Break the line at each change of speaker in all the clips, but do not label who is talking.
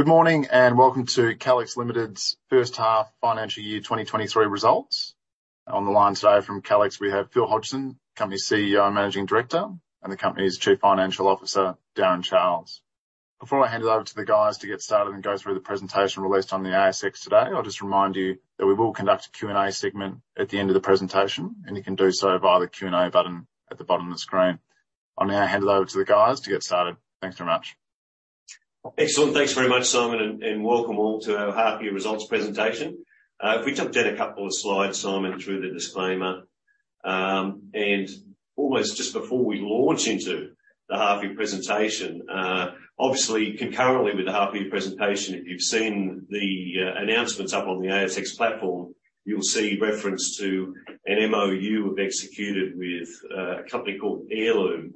Good morning, and welcome to Calix Limited's First Half Financial Year 2023 Results. On the line today from Calix, we have Phil Hodgson, company CEO and Managing Director, and the company's Chief Financial Officer, Darren Charles. Before I hand it over to the guys to get started and go through the presentation released on the ASX today, I'll just remind you that we will conduct a Q&A segment at the end of the presentation, and you can do so via the Q&A button at the bottom of the screen. I'll now hand it over to the guys to get started. Thanks very much.
Excellent. Thanks very much, Simon, and welcome all to our Half Year Results Presentation. If we jump down a couple of slides, Simon, through the disclaimer. Almost just before we launch into the half year presentation, obviously concurrently with the half year presentation, if you've seen the announcements up on the ASX platform, you'll see reference to an MOU we've executed with a company called Heirloom.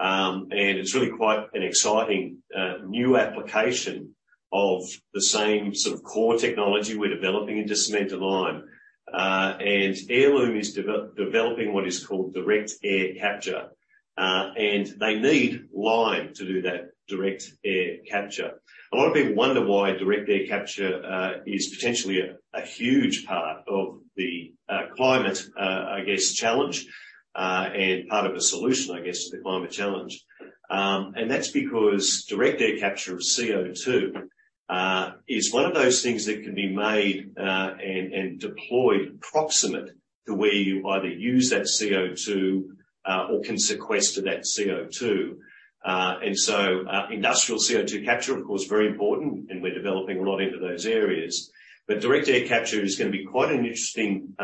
It's really quite an exciting new application of the same sort of core technology we're developing into cement and lime. Heirloom is developing what is called direct air capture, and they need lime to do that direct air capture. A lot of people wonder why Direct Air Capture is potentially a huge part of the climate, I guess, challenge, and part of a solution, I guess, to the climate challenge. That's because Direct Air Capture of CO2 is one of those things that can be made and deployed proximate to where you either use that CO2 or can sequester that CO2. Industrial CO2 capture, of course, very important, and we're developing a lot into those areas. Direct Air Capture is gonna be quite an interesting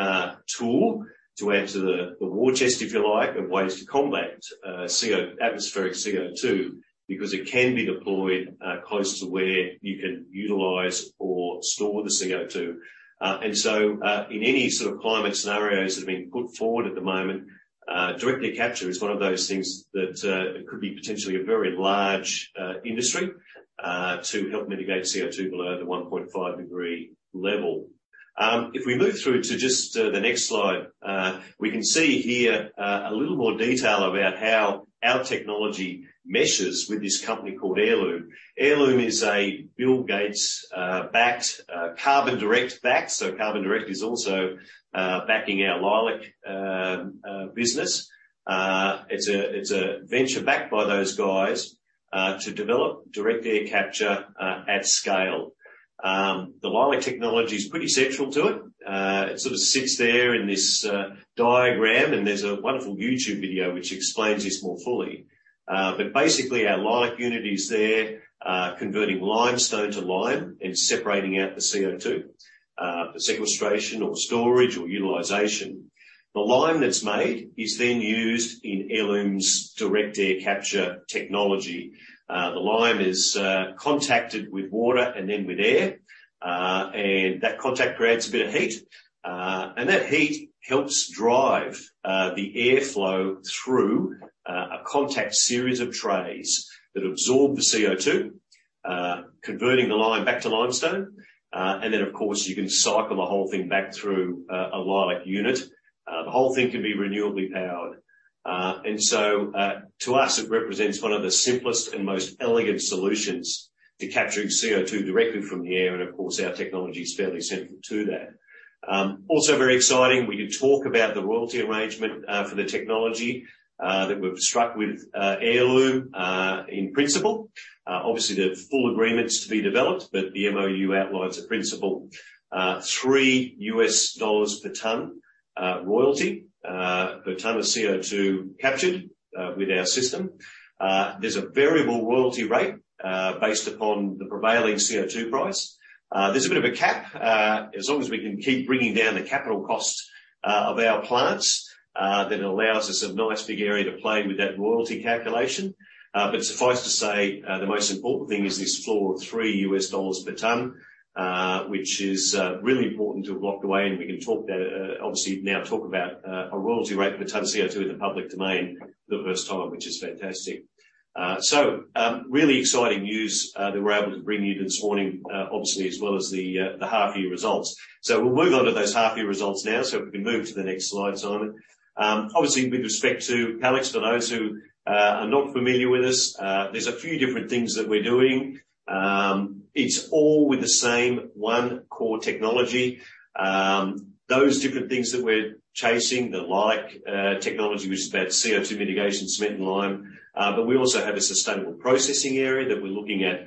tool to add to the war chest, if you like, of ways to combat atmospheric CO2, because it can be deployed close to where you can utilize or store the CO2. In any sort of climate scenarios that have been put forward at the moment, Direct Air Capture is one of those things that could be potentially a very large industry to help mitigate CO2 below the 1.5 degree level. If we move through to just the next slide, we can see here a little more detail about how our technology meshes with this company called Heirloom. Heirloom is a Bill Gates backed, Carbon Direct backed. Carbon Direct is also backing our LEILAC business. It's a venture backed by those guys to develop Direct Air Capture at scale. The LEILAC technology is pretty central to it. It sort of sits there in this diagram, and there's a wonderful YouTube video which explains this more fully. Basically, our LEILAC unit is there, converting limestone to lime and separating out the CO2 for sequestration or storage or utilization. The lime that's made is then used in Heirloom's direct air capture technology. The lime is contacted with water and then with air, and that contact creates a bit of heat. That heat helps drive the airflow through a contact series of trays that absorb the CO2, converting the lime back to limestone. Of course, you can cycle the whole thing back through a LEILAC unit. The whole thing can be renewably powered. To us, it represents one of the simplest and most elegant solutions to capturing CO2 directly from the air, and of course, our technology is fairly central to that. Also very exciting, we can talk about the royalty arrangement for the technology that we've struck with Heirloom in principle. Obviously the full agreement's to be developed, but the MOU outlines the principle. $3 per ton royalty per ton of CO2 captured with our system. There's a variable royalty rate based upon the prevailing CO2 price. There's a bit of a cap. As long as we can keep bringing down the capital cost of our plants, then it allows us a nice big area to play with that royalty calculation. Suffice to say, the most important thing is this floor of $3 per ton, which is really important to have locked away, and we can talk about, obviously now talk about, a royalty rate per ton of CO2 in the public domain for the first time, which is fantastic. Really exciting news that we're able to bring you this morning, obviously as well as the half year results. We'll move on to those half year results now, so if we can move to the next slide, Simon. Obviously with respect to Calix, for those who are not familiar with us, there's a few different things that we're doing. It's all with the same one core technology. Those different things that we're chasing, the LEILAC technology, which is about CO2 mitigation, cement and lime, but we also have a sustainable processing area that we're looking at,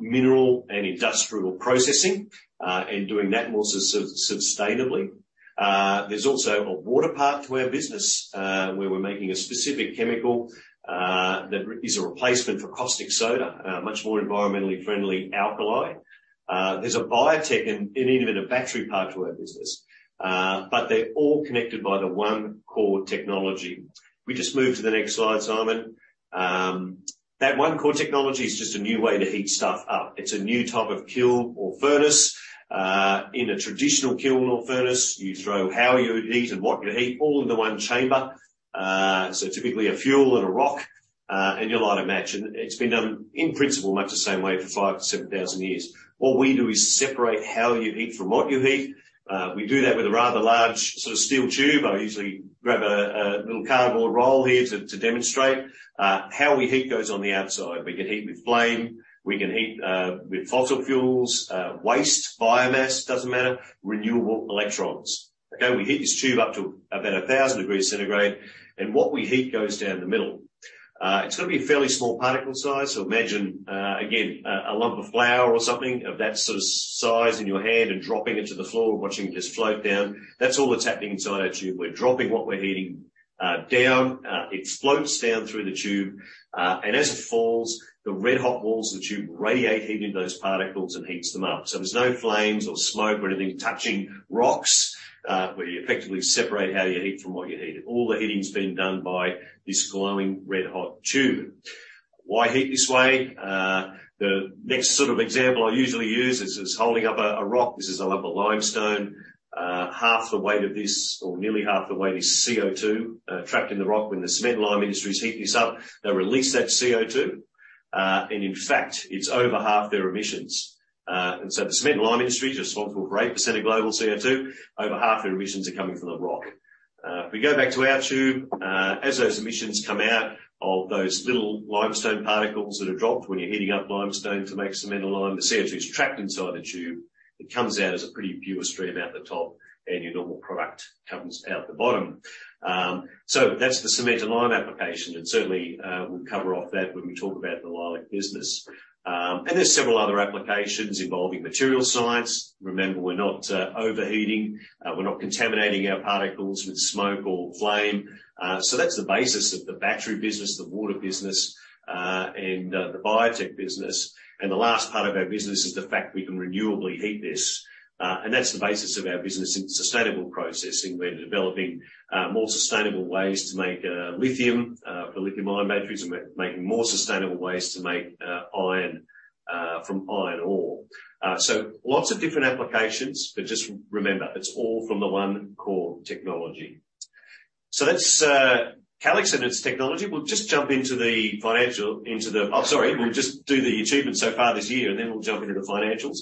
mineral and industrial processing, and doing that more sustainably. There's also a water part to our business, where we're making a specific chemical that is a replacement for caustic soda, a much more environmentally friendly alkali. There's a biotech and even a battery part to our business. They're all connected by the one core technology. If we just move to the next slide, Simon. That one core technology is just a new way to heat stuff up. It's a new type of kiln or furnace. In a traditional kiln or furnace, you throw how you would heat and what you heat all into one chamber. So typically a fuel and a rock, and your lighter match. It's been done in principle much the same way for 5,000-7,000 years. What we do is separate how you heat from what you heat. We do that with a rather large sort of steel tube. I usually grab a little cardboard roll here to demonstrate. How we heat goes on the outside. We can heat with flame, we can heat with fossil fuels, waste, biomass, doesn't matter, renewable electrons. We heat this tube up to about 1,000 degrees centigrade, and what we heat goes down the middle. It's gotta be a fairly small particle size, so imagine again, a lump of flour or something of that sort of size in your hand and dropping it to the floor, watching it just float down. That's all that's happening inside our tube. We're dropping what we're heating, down, it floats down through the tube, and as it falls, the red hot walls of the tube radiate heat into those particles and heats them up. There's no flames or smoke or anything touching rocks, where you effectively separate how you heat from what you heat. All the heating's being done by this glowing red hot tube. Why heat this way? The next sort of example I usually use is holding up a rock. This is a lump of limestone. Half the weight of this or nearly half the weight is CO2, trapped in the rock. When the cement and lime industries heat this up, they release that CO2, and in fact, it's over half their emissions. The cement and lime industry is responsible for 8% of global CO2. Over half their emissions are coming from the rock. If we go back to our tube, as those emissions come out of those little limestone particles that are dropped when you're heating up limestone to make cement and lime, the CO2 is trapped inside the tube. It comes out as a pretty pure stream out the top, and your normal product comes out the bottom. That's the cement and lime application, and certainly, we'll cover off that when we talk about the LEILAC business. There's several other applications involving material science. Remember, we're not overheating. We're not contaminating our particles with smoke or flame. That's the basis of the battery business, the water business, and the biotech business. The last part of our business is the fact we can renewably heat this. That's the basis of our business in sustainable processing. We're developing more sustainable ways to make lithium for lithium-ion batteries, and we're making more sustainable ways to make iron from iron ore. Lots of different applications, but just remember, it's all from the one core technology. That's Calix and its technology. We'll just jump into the financial. Oh, sorry. We'll just do the achievements so far this year, and then we'll jump into the financials.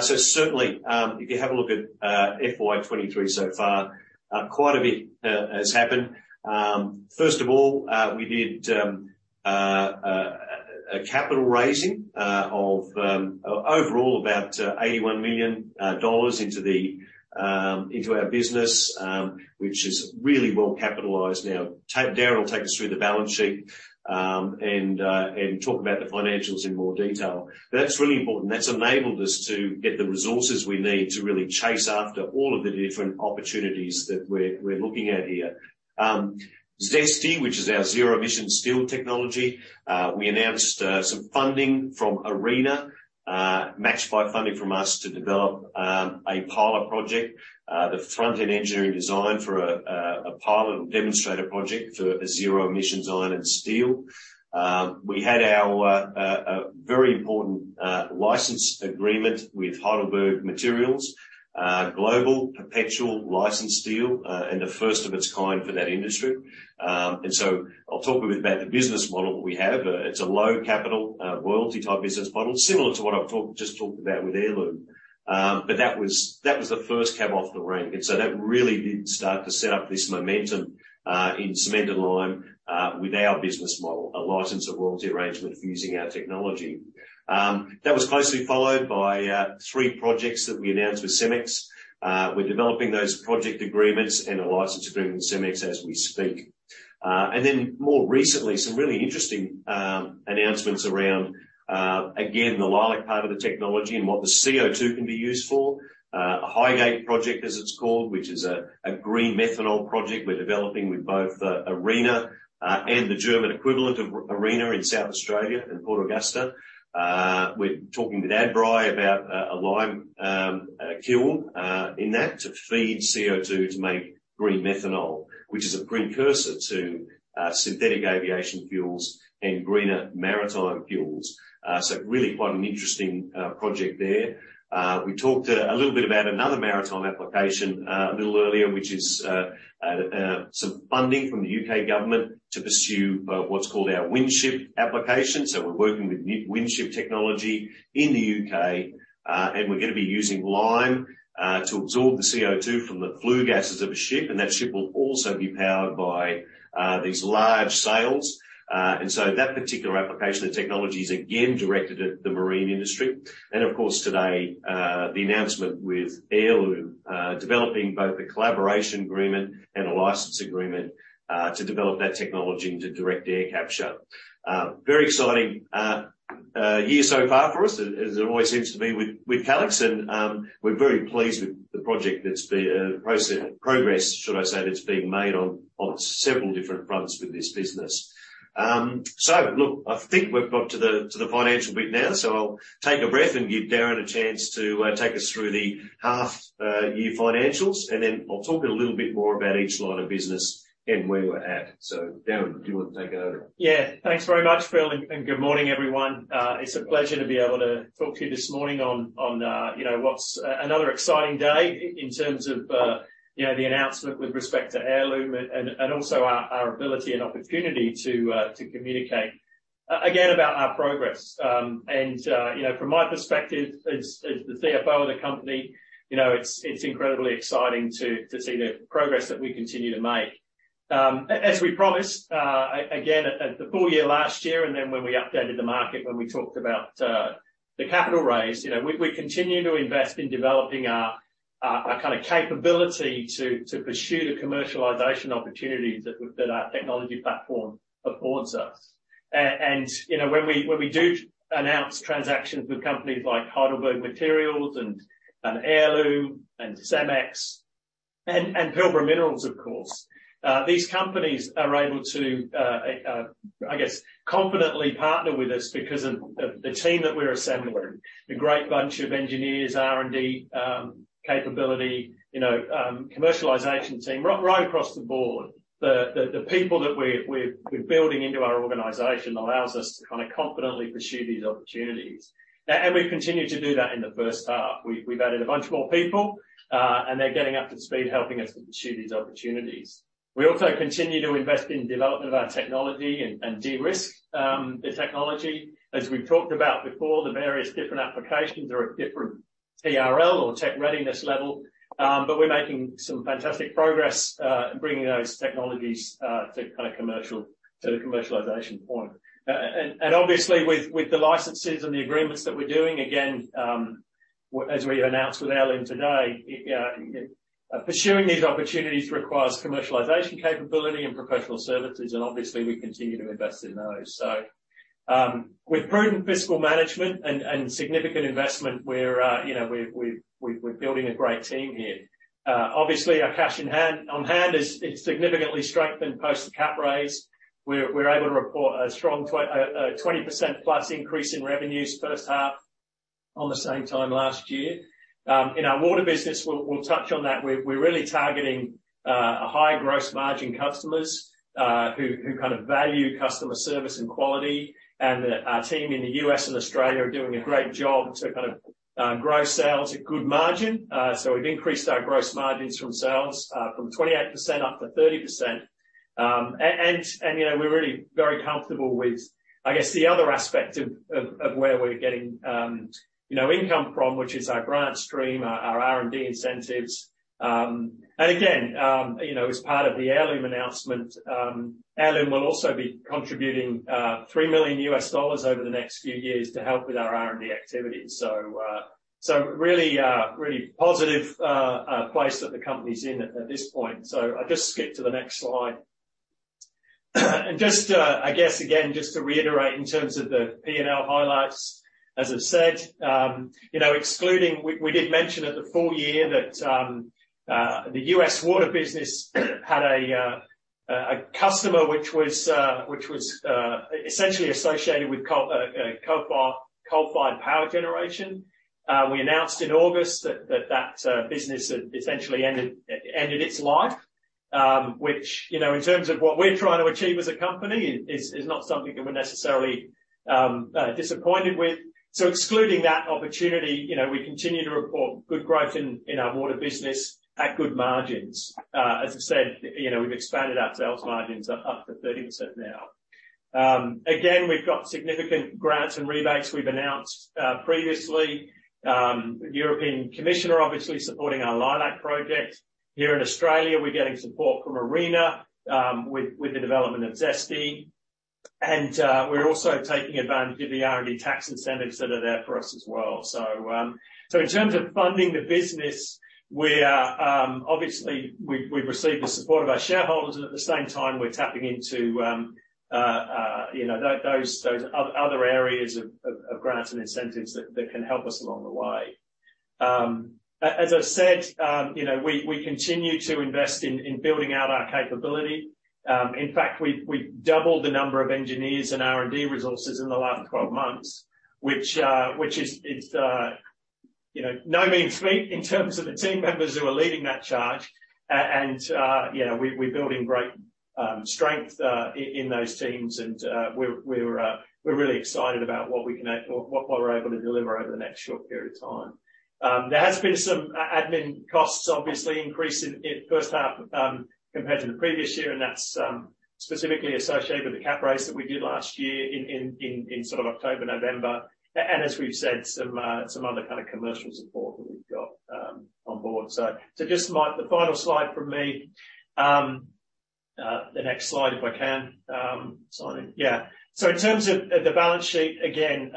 Certainly, if you have a look at FY 2023 so far, quite a bit has happened. First of all, we did a capital raising of overall about 81 million dollars into the into our business, which is really well capitalized now. Darren will take us through the balance sheet and talk about the financials in more detail. That's really important. That's enabled us to get the resources we need to really chase after all of the different opportunities that we're looking at here. ZESTY, which is our Zero Emission Steel Technology, we announced some funding from ARENA matched by funding from us to develop a pilot project, the Front End Engineering Design for a pilot and demonstrator project for zero emissions iron and steel. We had our a very important license agreement with Heidelberg Materials, global perpetual licensed deal, and the first of its kind for that industry. I'll talk a bit about the business model we have. It's a low capital royalty type business model, similar to what I've just talked about with Heirloom. That was the first cab off the rank. That really did start to set up this momentum in cement and lime with our business model, a license and royalty arrangement for using our technology. That was closely followed by three projects that we announced with Cemex. We're developing those project agreements and a license agreement with Cemex as we speak. More recently, some really interesting announcements around again, the LEILAC part of the technology and what the CO2 can be used for. HyGATE project, as it's called, which is a green methanol project we're developing with both ARENA and the German equivalent of ARENA in South Australia, in Port Augusta. We're talking with Adbri about a lime kiln in that to feed CO2 to make green methanol, which is a precursor to synthetic aviation fuels and greener maritime fuels. Really quite an interesting project there. We talked a little bit about another maritime application a little earlier, which is some funding from the U.K. government to pursue what's called our Windship application. We're working with Windship Technology in the U.K., and we're gonna be using lime to absorb the CO2 from the flue gases of a ship, and that ship will also be powered by these large sails. That particular application of the technology is again directed at the marine industry. Of course, today, the announcement with Heirloom, developing both a collaboration agreement and a license agreement, to develop that technology into direct air capture. Very exciting year so far for us, as it always seems to be with Calix. We're very pleased with the project that's been progress, should I say, that's been made on several different fronts with this business. Look, I think we've got to the, to the financial bit now, so I'll take a breath and give Darren a chance to take us through the half year financials, and then I'll talk a little bit more about each line of business and where we're at. Darren, do you want to take it over?
Thanks very much, Phil, and good morning, everyone. It's a pleasure to be able to talk to you this morning on, you know, what's another exciting day in terms of, you know, the announcement with respect to Heirloom and also our ability and opportunity to communicate again, about our progress. You know, from my perspective as the CFO of the company, you know, it's incredibly exciting to see the progress that we continue to make. As we promised, again at the full year last year, and then when we updated the market, when we talked about the capital raise, you know, we continue to invest in developing our kind of capability to pursue the commercialization opportunities that our technology platform affords us. You know, when we do announce transactions with companies like Heidelberg Materials and Heirloom and Cemex, and Pilbara Minerals, of course, these companies are able to, I guess, confidently partner with us because of the team that we're assembling. The great bunch of engineers, R&D capability, you know, commercialization team, right across the board. The people that we're building into our organization allows us to kinda confidently pursue these opportunities. We've continued to do that in the first half. We've added a bunch more people, and they're getting up to speed, helping us to pursue these opportunities. We also continue to invest in development of our technology and de-risk the technology. As we've talked about before, the various different applications are at different TRL or tech readiness level, but we're making some fantastic progress bringing those technologies to the commercialization point. Obviously with the licenses and the agreements that we're doing, again, as we announced with Heirloom today, Pursuing these opportunities requires commercialization capability and professional services, and obviously we continue to invest in those. With prudent fiscal management and significant investment, we're, you know, we're building a great team here. Obviously our cash in hand, on hand is significantly strengthened post the cap raise. We're able to report a strong 20% plus increase in revenues first half on the same time last year. In our water business, we'll touch on that. We're really targeting a high gross margin customers who kind of value customer service and quality. Our team in the U.S. and Australia are doing a great job to kind of grow sales at good margin. We've increased our gross margins from sales from 28% up to 30%. And, you know, we're really very comfortable with, I guess, the other aspect of where we're getting, you know, income from, which is our grant stream, our R&D incentives. And again, you know, as part of the Heirloom announcement, Heirloom will also be contributing $3 million over the next few years to help with our R&D activities. Really positive place that the company's in at this point. I'll just skip to the next slide. Just, I guess, again, just to reiterate in terms of the P&L highlights, as I've said, you know, excluding... We did mention at the full year that the U.S. water business had a customer which was essentially associated with coal-fired power generation. We announced in August that that business had essentially ended its life, which, you know, in terms of what we're trying to achieve as a company is not something that we're necessarily disappointed with. Excluding that opportunity, you know, we continue to report good growth in our water business at good margins. As I said, you know, we've expanded our sales margins up to 30% now. Again, we've got significant grants and rebates we've announced previously. The European Commission obviously supporting our LEILAC project. Here in Australia, we're getting support from ARENA with the development of ZESTY. We're also taking advantage of the R&D tax incentives that are there for us as well. In terms of funding the business, we are obviously we've received the support of our shareholders, and at the same time, we're tapping into, you know, those other areas of grants and incentives that can help us along the way. As I've said, you know, we continue to invest in building out our capability. In fact, we've doubled the number of engineers and R&D resources in the last 12 months, which, you know, no mean feat in terms of the team members who are leading that charge. And, you know, we're building great strength in those teams. And, we're really excited about what we're able to deliver over the next short period of time. There has been some admin costs obviously increased in the first half compared to the previous year, and that's specifically associated with the cap raise that we did last year in October, November. And as we've said, some other kind of commercial support that we've got on board. So just my, the final slide from me. The next slide if I can. Simon. In terms of the balance sheet, again,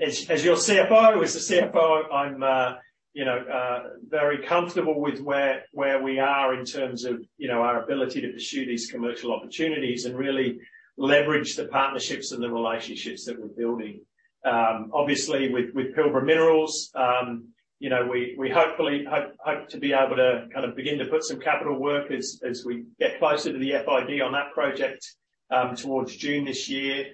as your CFO, as the CFO, I'm, you know, very comfortable with where we are in terms of, you know, our ability to pursue these commercial opportunities and really leverage the partnerships and the relationships that we're building. Obviously with Pilbara Minerals, you know, we hopefully hope to be able to kind of begin to put some capital work as we get closer to the FID on that project. Towards June this year,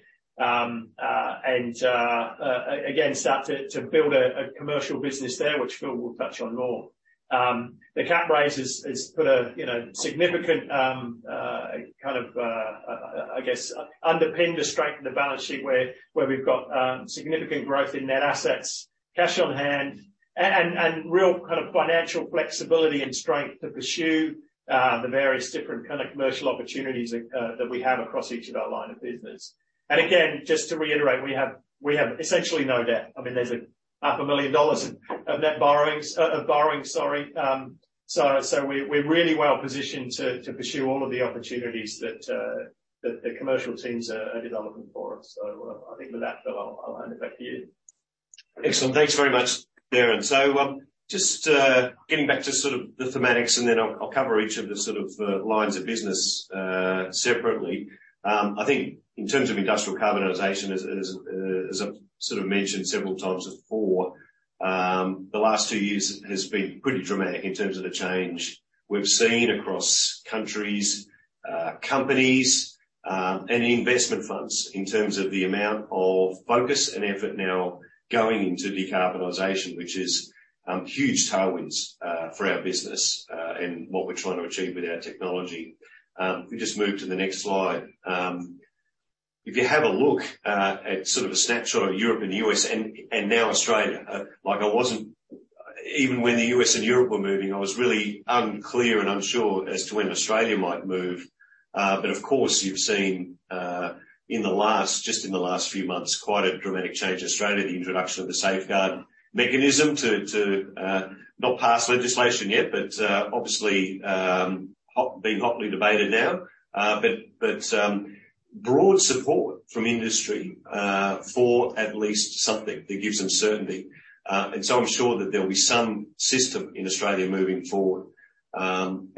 again, start to build a commercial business there, which Phil will touch on more. The cap raise has put a, you know, significant kind of, I guess underpinned the strength of the balance sheet where we've got significant growth in net assets, cash on hand, and real financial flexibility and strength to pursue the various different commercial opportunities that we have across each of our line of business. Again, just to reiterate, we have essentially no debt. I mean, there's a half a million AUD of borrowing, sorry. We're really well positioned to pursue all of the opportunities that the commercial teams are developing for us. I think with that, Phil, I'll hand it back to you.
Excellent. Thanks very much, Darren. Just getting back to sort of the thematics, and then I'll cover each of the sort of lines of business separately. I think in terms of industrial decarbonization, as I've sort of mentioned several times before, the last two years has been pretty dramatic in terms of the change we've seen across countries, companies, and investment funds in terms of the amount of focus and effort now going into decarbonization, which is huge tailwinds for our business and what we're trying to achieve with our technology. If we just move to the next slide. If you have a look at sort of a snapshot of Europe and the U.S. and now Australia, like I wasn't... Even when the U.S. and Europe were moving, I was really unclear and unsure as to when Australia might move. Of course, you've seen just in the last few months, quite a dramatic change in Australia, the introduction of the Safeguard Mechanism to not pass legislation yet, but obviously being hotly debated now. Broad support from industry for at least something that gives them certainty. I'm sure that there'll be some system in Australia moving forward. An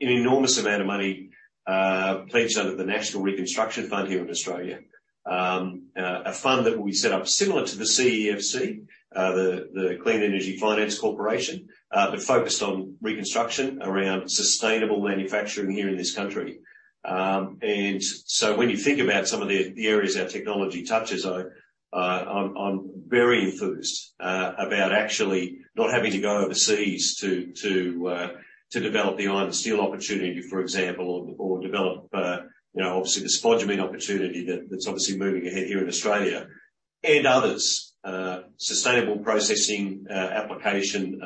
enormous amount of money pledged under the National Reconstruction Fund here in Australia. A fund that will be set up similar to the CEFC, the Clean Energy Finance Corporation, but focused on reconstruction around sustainable manufacturing here in this country. When you think about some of the areas our technology touches on, I'm very enthused about actually not having to go overseas to develop the iron and steel opportunity, for example, or develop, you know, obviously the spodumene opportunity that's obviously moving ahead here in Australia and others. Sustainable processing application,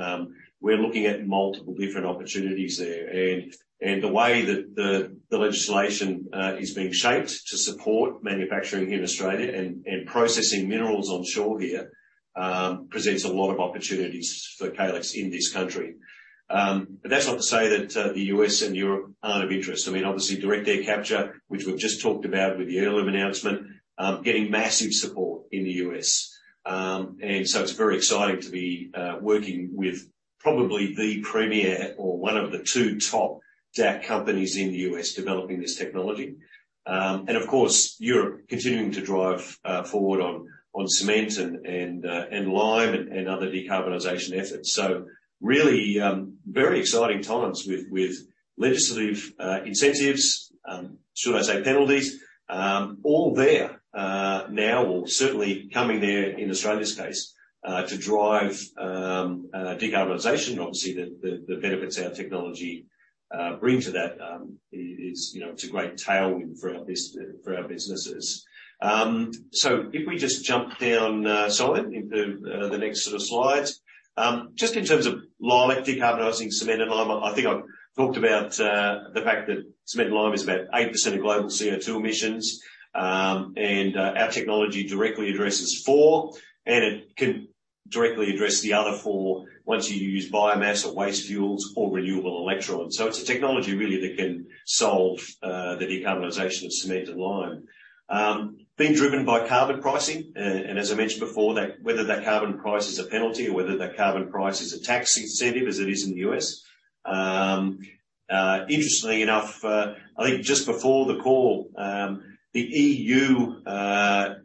we're looking at multiple different opportunities there. And the way that the legislation is being shaped to support manufacturing here in Australia and processing minerals onshore here, presents a lot of opportunities for Calix in this country. But that's not to say that the U.S. and Europe aren't of interest. I mean, obviously Direct Air Capture, which we've just talked about with the Heirloom announcement, getting massive support in the U.S.. It's very exciting to be working with probably the premier or one of the two top DAC companies in the U.S. developing this technology. Of course, Europe continuing to drive forward on cement and lime and other decarbonization efforts. Really, very exciting times with legislative incentives, should I say penalties, all there now, or certainly coming there in Australia's case, to drive decarbonization. Obviously, the benefits our technology bring to that is, you know, it's a great tailwind for our businesses. If we just jump down, Simon, into the next set of slides. Just in terms of decarbonizing cement and lime, I think I've talked about the fact that cement and lime is about 8% of global CO2 emissions. Our technology directly addresses four, and it can directly address the other four once you use biomass or waste fuels or renewable electrons. It's a technology really that can solve the decarbonization of cement and lime. Being driven by carbon pricing, and as I mentioned before, whether that carbon price is a penalty or whether that carbon price is a tax incentive as it is in the U.S.. Interestingly enough, I think just before the call, the EU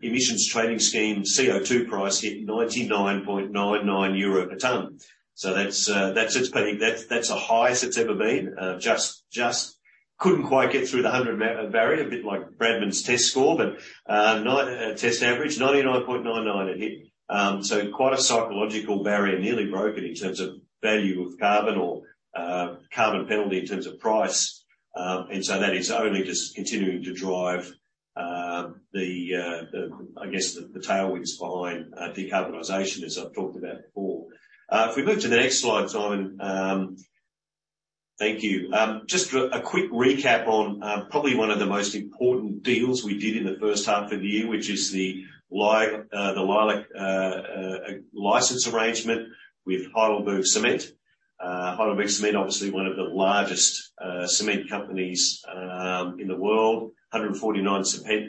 Emissions Trading System CO2 price hit 99.99 euro a ton. That's the highest it's ever been. Just couldn't quite get through the 100 barrier, a bit like Bradman's test score, 99.99 it hit. quite a psychological barrier nearly broken in terms of value of carbon or carbon penalty in terms of price. that is only just continuing to drive the tailwinds behind decarbonization, as I've talked about before. If we move to the next slide, Simon. Thank you. just a quick recap on probably one of the most important deals we did in the first half of the year, which is the LEILAC license arrangement with HeidelbergCement. HeidelbergCement, obviously one of the largest cement companies in the world. 149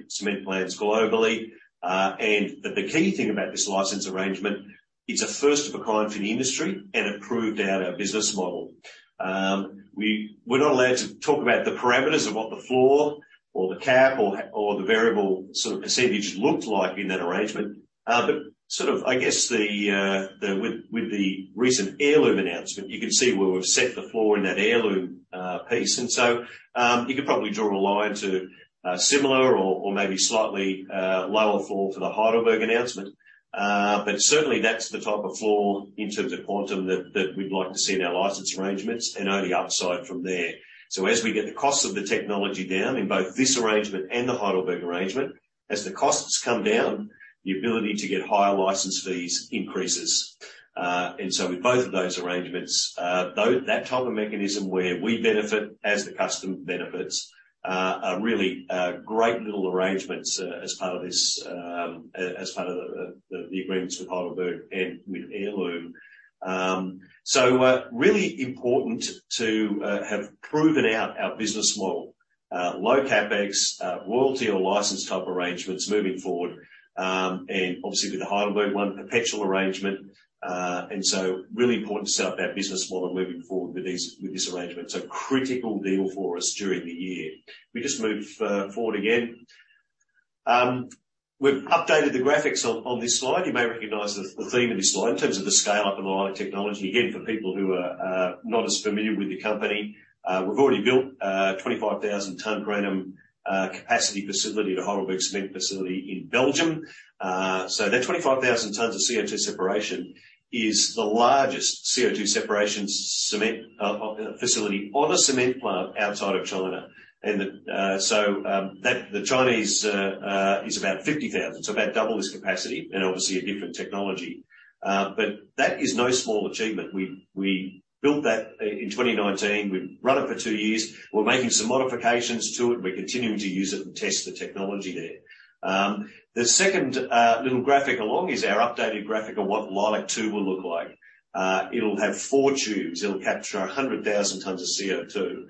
cement plants globally. The key thing about this license arrangement. It's a first of a kind for the industry, and it proved out our business model. We're not allowed to talk about the parameters of what the floor or the cap or the variable sort of percentage looked like in that arrangement. Sort of, I guess with the recent Heirloom announcement, you can see where we've set the floor in that Heirloom piece. You could probably draw a line to similar or maybe slightly lower floor for the Heidelberg announcement. Certainly that's the type of floor in terms of quantum that we'd like to see in our license arrangements and only upside from there. As we get the cost of the technology down in both this arrangement and the Heidelberg arrangement, as the costs come down, the ability to get higher license fees increases. With both of those arrangements, that type of mechanism where we benefit as the customer benefits, are really great little arrangements, as part of this, as part of the agreements with Heidelberg and with Heirloom. Really important to have proven out our business model. Low CapEx, royalty or license type arrangements moving forward, and obviously with the Heidelberg one, perpetual arrangement. Really important to set up our business model moving forward with these, with this arrangement. Critical deal for us during the year. If we just move forward again. We've updated the graphics on this slide. You may recognize the theme of this slide in terms of the scale up of the lime technology. Again, for people who are not as familiar with the company, we've already built a 25,000 ton per annum capacity facility at a Heidelberg Materials facility in Belgium. That 25,000 tons of CO2 separation is the largest CO2 separation cement facility on a cement plant outside of China. The Chinese is about 50,000, so about double this capacity and obviously a different technology. That is no small achievement. We built that in 2019. We've run it for two years. We're making some modifications to it, and we're continuing to use it and test the technology there. The second little graphic along is our updated graphic of what LEILAC-2 will look like. It'll have four tubes. It'll capture 100,000 tons of CO2.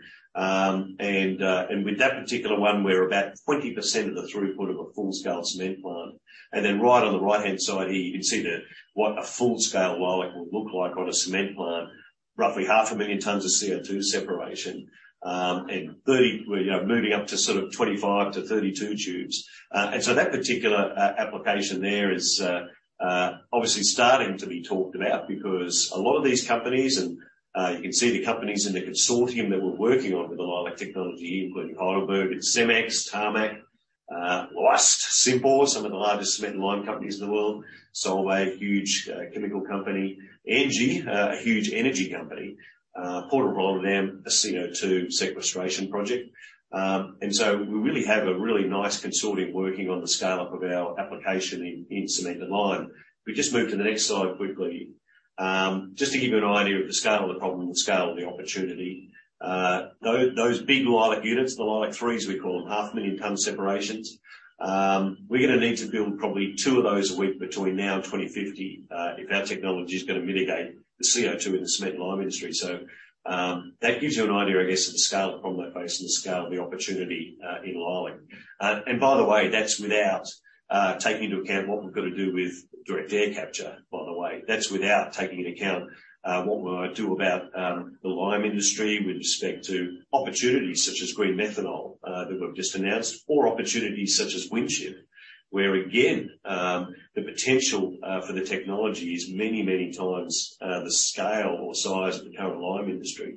With that particular one, we're about 20% of the throughput of a full-scale cement plant. Right on the right-hand side here, you can see what a full-scale LEILAC will look like on a cement plant, roughly half a million tons of CO2 separation. We're, you know, moving up to sort of 25 to 32 tubes. That particular application there is obviously starting to be talked about because a lot of these companies, you can see the companies in the consortium that we're working on with the LEILAC technology here, including Heidelberg Materials and Cemex, Tarmac, Lafarge, CIMPOR, some of the largest cement and lime companies in the world. Solvay, a huge chemical company. ENGIE, a huge energy company. Port of Rotterdam, a CO2 sequestration project. We really have a really nice consortium working on the scale-up of our application in cement and lime. If we just move to the next slide quickly. Just to give you an idea of the scale of the problem and the scale of the opportunity, those big LEILAC units, the LEILAC-3s we call them, half a million tons separations, we're gonna need to build probably two of those a week between now and 2050, if our technology is gonna mitigate the CO2 in the cement and lime industry. That gives you an idea, I guess, of the scale of the problem we're facing, the scale of the opportunity in LEILAC. And by the way, that's without taking into account what we've gotta do with Direct Air Capture, by the way. That's without taking into account what we wanna do about the lime industry with respect to opportunities such as green methanol that we've just announced, or opportunities such as Windship, where again, the potential for the technology is many, many times the scale or size of the current lime industry.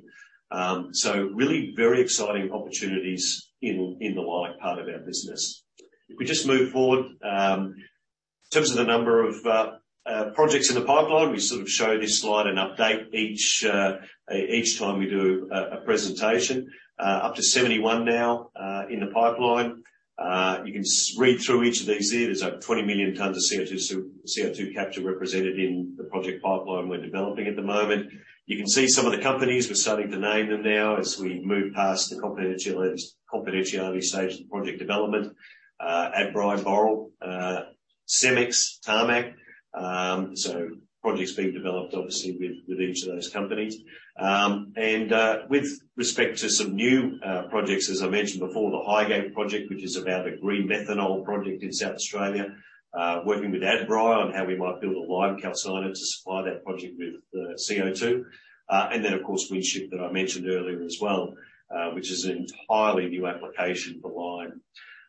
Really very exciting opportunities in the LEILAC part of our business. If we just move forward, in terms of the number of projects in the pipeline, we sort of show this slide and update each time we do a presentation. Up to 71 now in the pipeline. You can read through each of these here. There's, like, 20 million tons of CO2 capture represented in the project pipeline we're developing at the moment. You can see some of the companies. We're starting to name them now as we move past the confidentiality stage of the project development. Adbri, Boral, Cemex, Tarmac. Projects being developed obviously with each of those companies. With respect to some new, projects, as I mentioned before, the HyGATE project, which is about a green methanol project in South Australia, working with Adbri on how we might build a lime calciner to supply that project with, CO2. Of course, Windship that I mentioned earlier as well, which is an entirely new application for lime.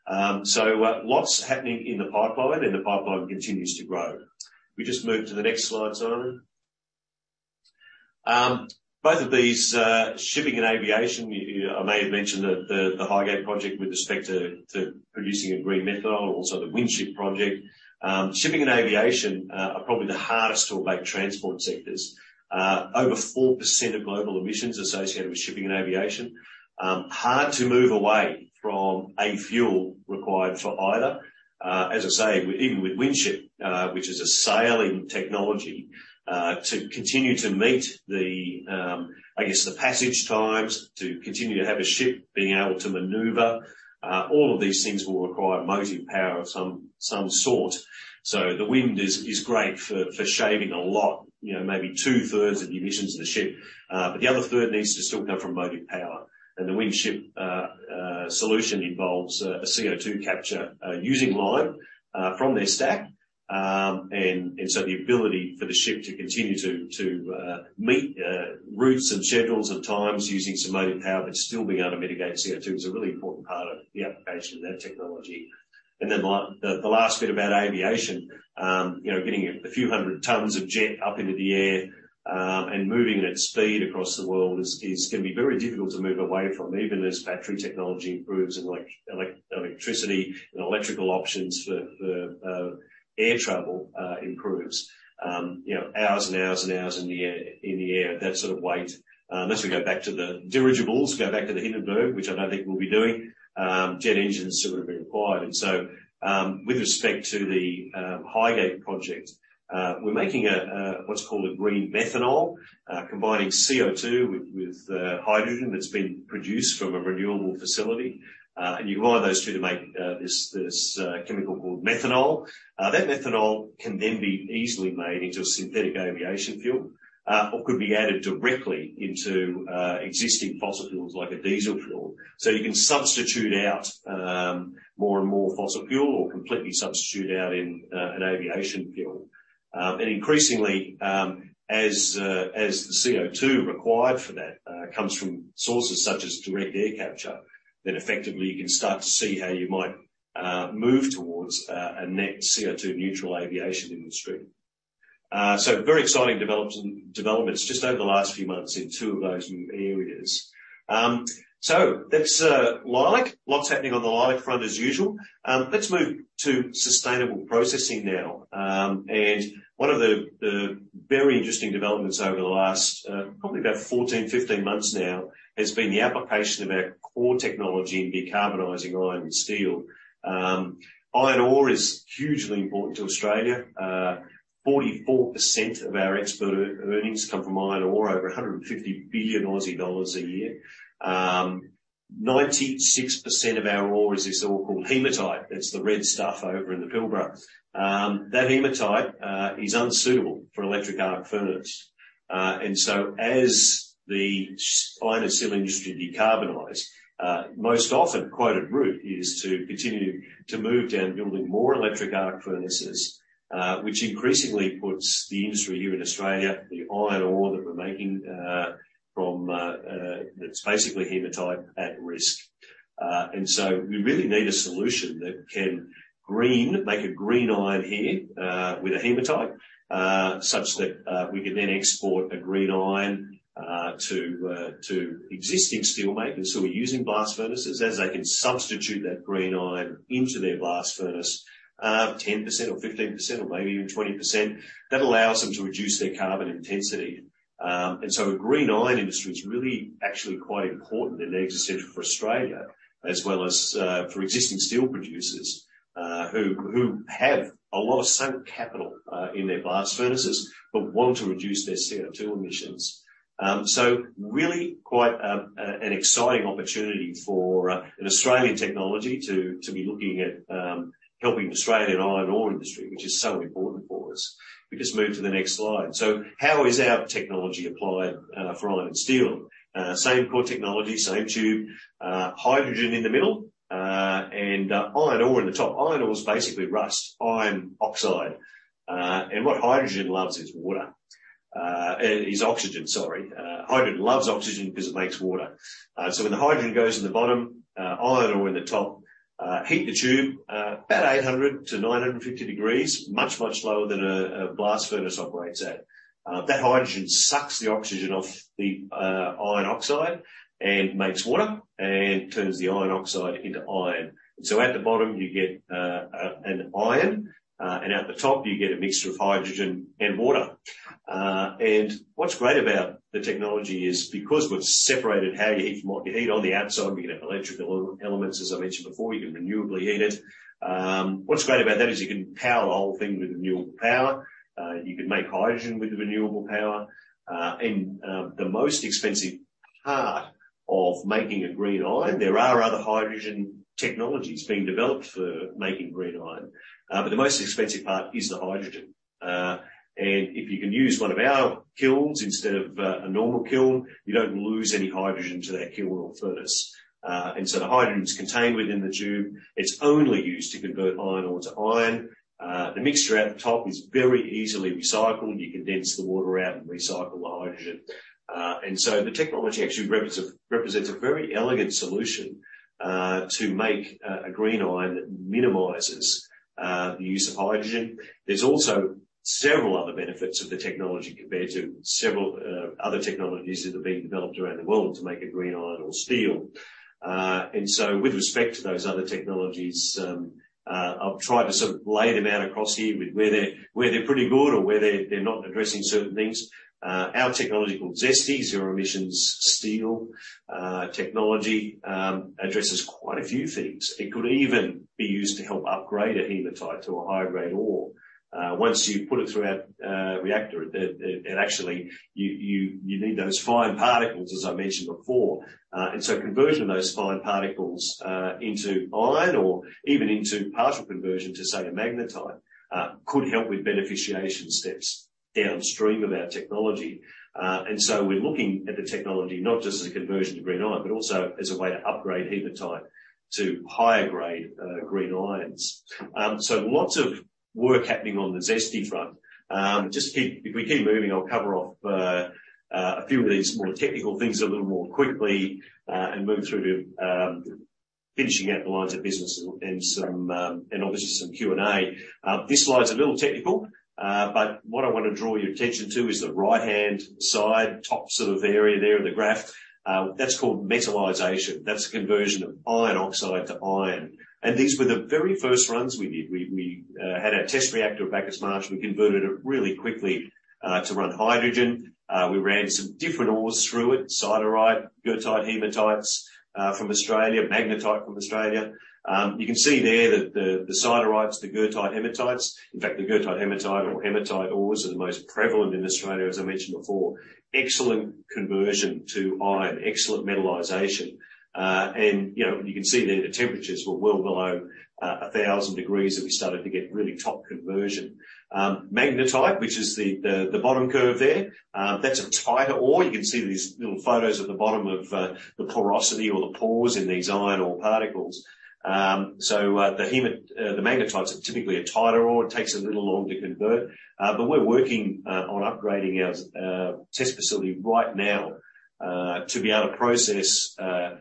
Lots happening in the pipeline, and the pipeline continues to grow. If we just move to the next slide, Simon. Both of these, you know, I may have mentioned the HyGATE project with respect to producing a green methanol and also the Windship project. Shipping and aviation are probably the hardest to abate transport sectors. Over 4% of global emissions associated with shipping and aviation. Hard to move away from a fuel required for either. As I say, even with Windship, which is a sailing technology, to continue to meet the, I guess, the passage times, to continue to have a ship being able to maneuver, all of these things will require motive power of some sort. The wind is great for shaving a lot, you know, maybe two-thirds of the emissions of the ship, but the other third needs to still come from motive power. The Windship solution involves a CO2 capture using lime from their stack. The ability for the ship to continue to meet routes and schedules and times using some motive power, but still being able to mitigate CO2 is a really important part of the application of that technology. The last bit about aviation, you know, getting a few hundred tons of jet up into the air and moving at speed across the world is gonna be very difficult to move away from, even as battery technology improves and electricity and electrical options for air travel improves. You know, hours and hours and hours in the air, in the air at that sort of weight, unless we go back to the dirigibles, go back to the Hindenburg, which I don't think we'll be doing, jet engines are still gonna be required. With respect to the HyGate project, we're making what's called a green methanol, combining CO2 with hydrogen that's been produced from a renewable facility, and you combine those two to make this chemical called methanol. That methanol can then be easily made into a synthetic aviation fuel, or could be added directly into existing fossil fuels, like a diesel fuel. You can substitute out more and more fossil fuel or completely substitute out an aviation fuel. Increasingly, as the CO2 required for that comes from sources such as Direct Air Capture, then effectively you can start to see how you might move towards a net CO2 neutral aviation industry. Very exciting developments just over the last few months in two of those areas. That's LEILAC. Lots happening on the LEILAC front as usual. Let's move to sustainable processing now. One of the very interesting developments over the last probably about 14, 15 months now, has been the application of our core technology in decarbonizing iron and steel. Iron ore is hugely important to Australia. 44% of our export earnings come from iron ore, over 150 billion Aussie dollars a year. 96% of our ore is this ore called hematite. It's the red stuff over in the Pilbara. That hematite is unsuitable for electric arc furnace. As the iron and steel industry decarbonize, most often quoted route is to continue to move down building more electric arc furnaces, which increasingly puts the industry here in Australia, the iron ore that we're making from that's basically hematite, at risk. We really need a solution that can green, make a green iron here with a hematite such that we can then export a green iron to existing steel makers who are using blast furnaces. As they can substitute that green iron into their blast furnace, 10% or 15% or maybe even 20%, that allows them to reduce their carbon intensity. A green iron industry is really actually quite important and essential for Australia as well as for existing steel producers who have a lot of sunk capital in their blast furnaces, but want to reduce their CO2 emissions. Really quite an exciting opportunity for an Australian technology to be looking at helping the Australian iron ore industry, which is so important for us. We just move to the next slide. How is our technology applied for iron and steel? Same core technology, same tube, hydrogen in the middle, and iron ore in the top. Iron ore is basically rust, iron oxide. What hydrogen loves is water. Is oxygen, sorry. Hydrogen loves oxygen because it makes water. When the hydrogen goes in the bottom, iron ore in the top, heat the tube about 800 to 950 degrees, much, much lower than a blast furnace operates at. That hydrogen sucks the oxygen off the iron oxide and makes water and turns the iron oxide into iron. At the bottom, you get an iron, and at the top, you get a mixture of hydrogen and water. What's great about the technology is because we've separated how you heat from what, you heat on the outside, we can have electrical elements, as I mentioned before, you can renewably heat it. What's great about that is you can power the whole thing with renewable power. You can make hydrogen with the renewable power. The most expensive part of making a green iron, there are other hydrogen technologies being developed for making green iron, but the most expensive part is the hydrogen. If you can use one of our kilns instead of a normal kiln, you don't lose any hydrogen to that kiln or furnace. The hydrogen's contained within the tube. It's only used to convert iron ore to iron. The mixture at the top is very easily recycled. You condense the water out and recycle the hydrogen. The technology actually represents a very elegant solution to make a green iron that minimizes the use of hydrogen. There's also several other benefits of the technology compared to several other technologies that are being developed around the world to make a green iron or steel. With respect to those other technologies, I'll try to sort of lay them out across here with where they're pretty good or where they're not addressing certain things. Our technology called ZESTY, Zero Emissions Steel Technology, addresses quite a few things. It could even be used to help upgrade a hematite to a higher grade ore. Once you put it through our reactor, it actually, you need those fine particles, as I mentioned before. So conversion of those fine particles into iron or even into partial conversion to, say, a magnetite, could help with beneficiation steps downstream of our technology. We're looking at the technology not just as a conversion to green iron, but also as a way to upgrade hematite to higher grade green irons. Lots of work happening on the ZESTY front. If we keep moving, I'll cover off a few of these more technical things a little more quickly and move through to Finishing out the lines of business and some, and obviously some Q&A. This slide's a little technical, what I wanna draw your attention to is the right-hand side, top sort of area there in the graph. That's called metallization. That's conversion of iron oxide to iron. These were the very first runs we did. We had our test reactor at Bacchus Marsh. We converted it really quickly to run hydrogen. We ran some different ores through it, siderite, goethite, hematites, from Australia, magnetite from Australia. You can see there that the siderites, the goethite, hematites, in fact, the goethite, hematite ores are the most prevalent in Australia, as I mentioned before. Excellent conversion to iron. Excellent metallization. You know, you can see there the temperatures were well below 1,000 degrees and we started to get really top conversion. Magnetite, which is the bottom curve there, that's a tighter ore. You can see these little photos at the bottom of the porosity or the pores in these iron ore particles. The magnetites are typically a tighter ore. It takes a little longer to convert, but we're working on upgrading our test facility right now, to be able to process better.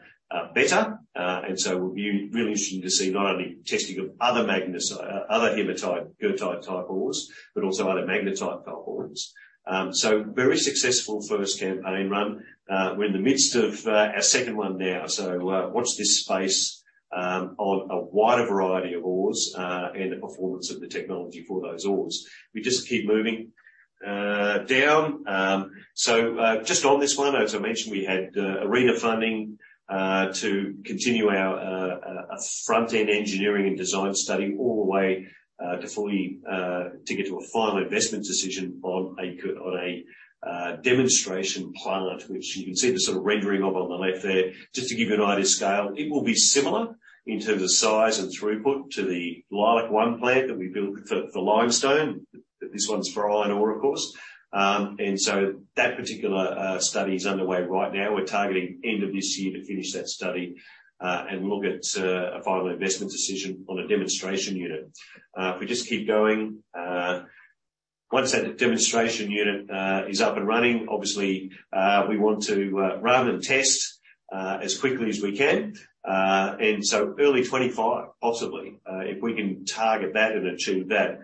It will be really interesting to see not only testing of other hematite, goethite-type ores, but also other magnetite-type ores. Very successful 1st campaign run. We're in the midst of our 2nd one now, so watch this space on a wider variety of ores, and the performance of the technology for those ores. We just keep moving down. Just on this one, as I mentioned, we had ARENA funding to continue our Front-End Engineering Design study all the way to get to a final investment decision on a demonstration plant, which you can see the sort of rendering of on the left there. Just to give you an idea of scale, it will be similar in terms of size and throughput to the Leilac-1 plant that we built for limestone. This one's for iron ore, of course. That particular study is underway right now. We're targeting end of this year to finish that study and look at a final investment decision on a demonstration unit. If we just keep going. Once that demonstration unit is up and running, obviously, we want to run and test as quickly as we can. Early 2025, possibly, if we can target that and achieve that,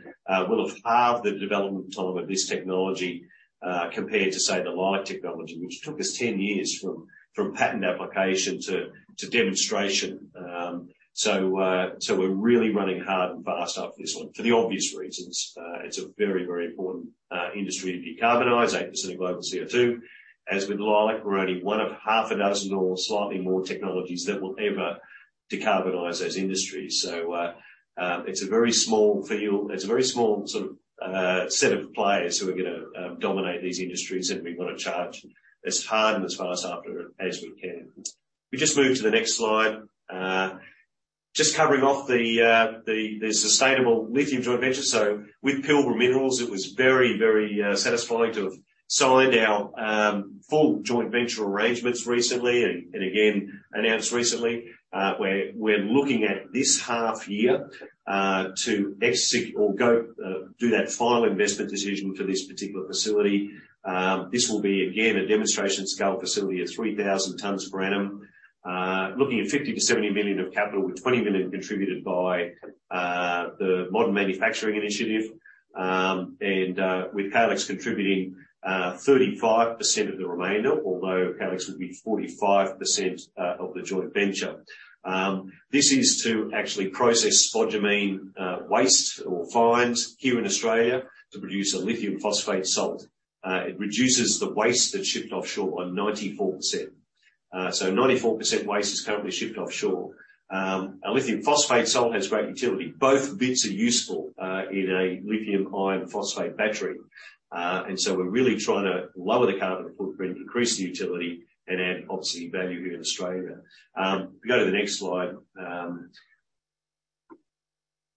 we'll have halved the development time of this technology compared to, say, the LEILAC technology, which took us 10 years from patent application to demonstration. We're really running hard and fast after this one for the obvious reasons. It's a very, very important industry to decarbonize, 8% of global CO2. As with LEILAC, we're only one of half a dozen or slightly more technologies that will ever decarbonize those industries. It's a very small field. It's a very small sort of set of players who are gonna dominate these industries, and we wanna charge as hard and as fast after it as we can. We just move to the next slide. Just covering off the sustainable lithium joint venture. With Pilbara Minerals, it was very, very satisfying to have signed our full joint venture arrangements recently, and again announced recently, we're looking at this half year to go do that final investment decision for this particular facility. This will be, again, a demonstration scale facility of 3,000 tonnes per annum. Looking at 50 million-70 million of capital, with 20 million contributed by the Modern Manufacturing Initiative. With Calix contributing 35% of the remainder, although Calix will be 45% of the joint venture. This is to actually process spodumene waste or fines here in Australia to produce a lithium phosphate salt. It reduces the waste that's shipped offshore by 94%. 94% waste is currently shipped offshore. Our lithium phosphate salt has great utility. Both bits are useful in a Lithium Iron Phosphate battery. We're really trying to lower the carbon footprint, increase the utility, and add, obviously, value here in Australia. If we go to the next slide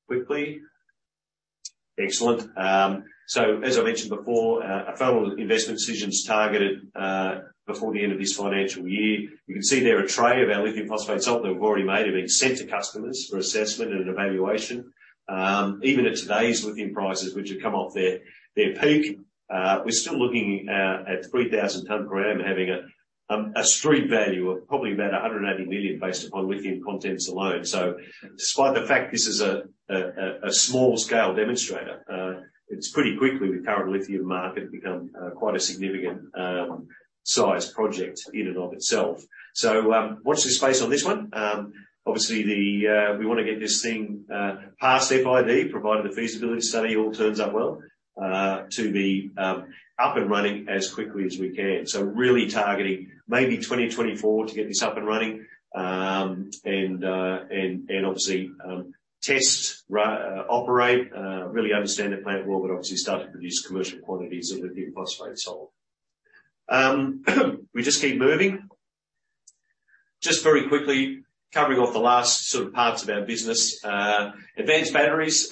quickly. Excellent. As I mentioned before, a final investment decision is targeted before the end of this financial year. You can see there a tray of our lithium phosphate salt that we've already made and been sent to customers for assessment and evaluation. Even at today's lithium prices, which have come off their peak, we're still looking at 3,000 ton per annum having a street value of probably about 180 million based upon lithium contents alone. Despite the fact this is a small-scale demonstrator, it's pretty quickly, with the current lithium market, become quite a significant sized project in and of itself. Watch this space on this one. Obviously we wanna get this thing past FID, provided the feasibility study all turns out well, to be up and running as quickly as we can. Really targeting maybe 2024 to get this up and running, and obviously, test, operate, really understand the plant well, but obviously start to produce commercial quantities of lithium phosphate salt. We just keep moving. Just very quickly, covering off the last sort of parts of our business. Advanced batteries,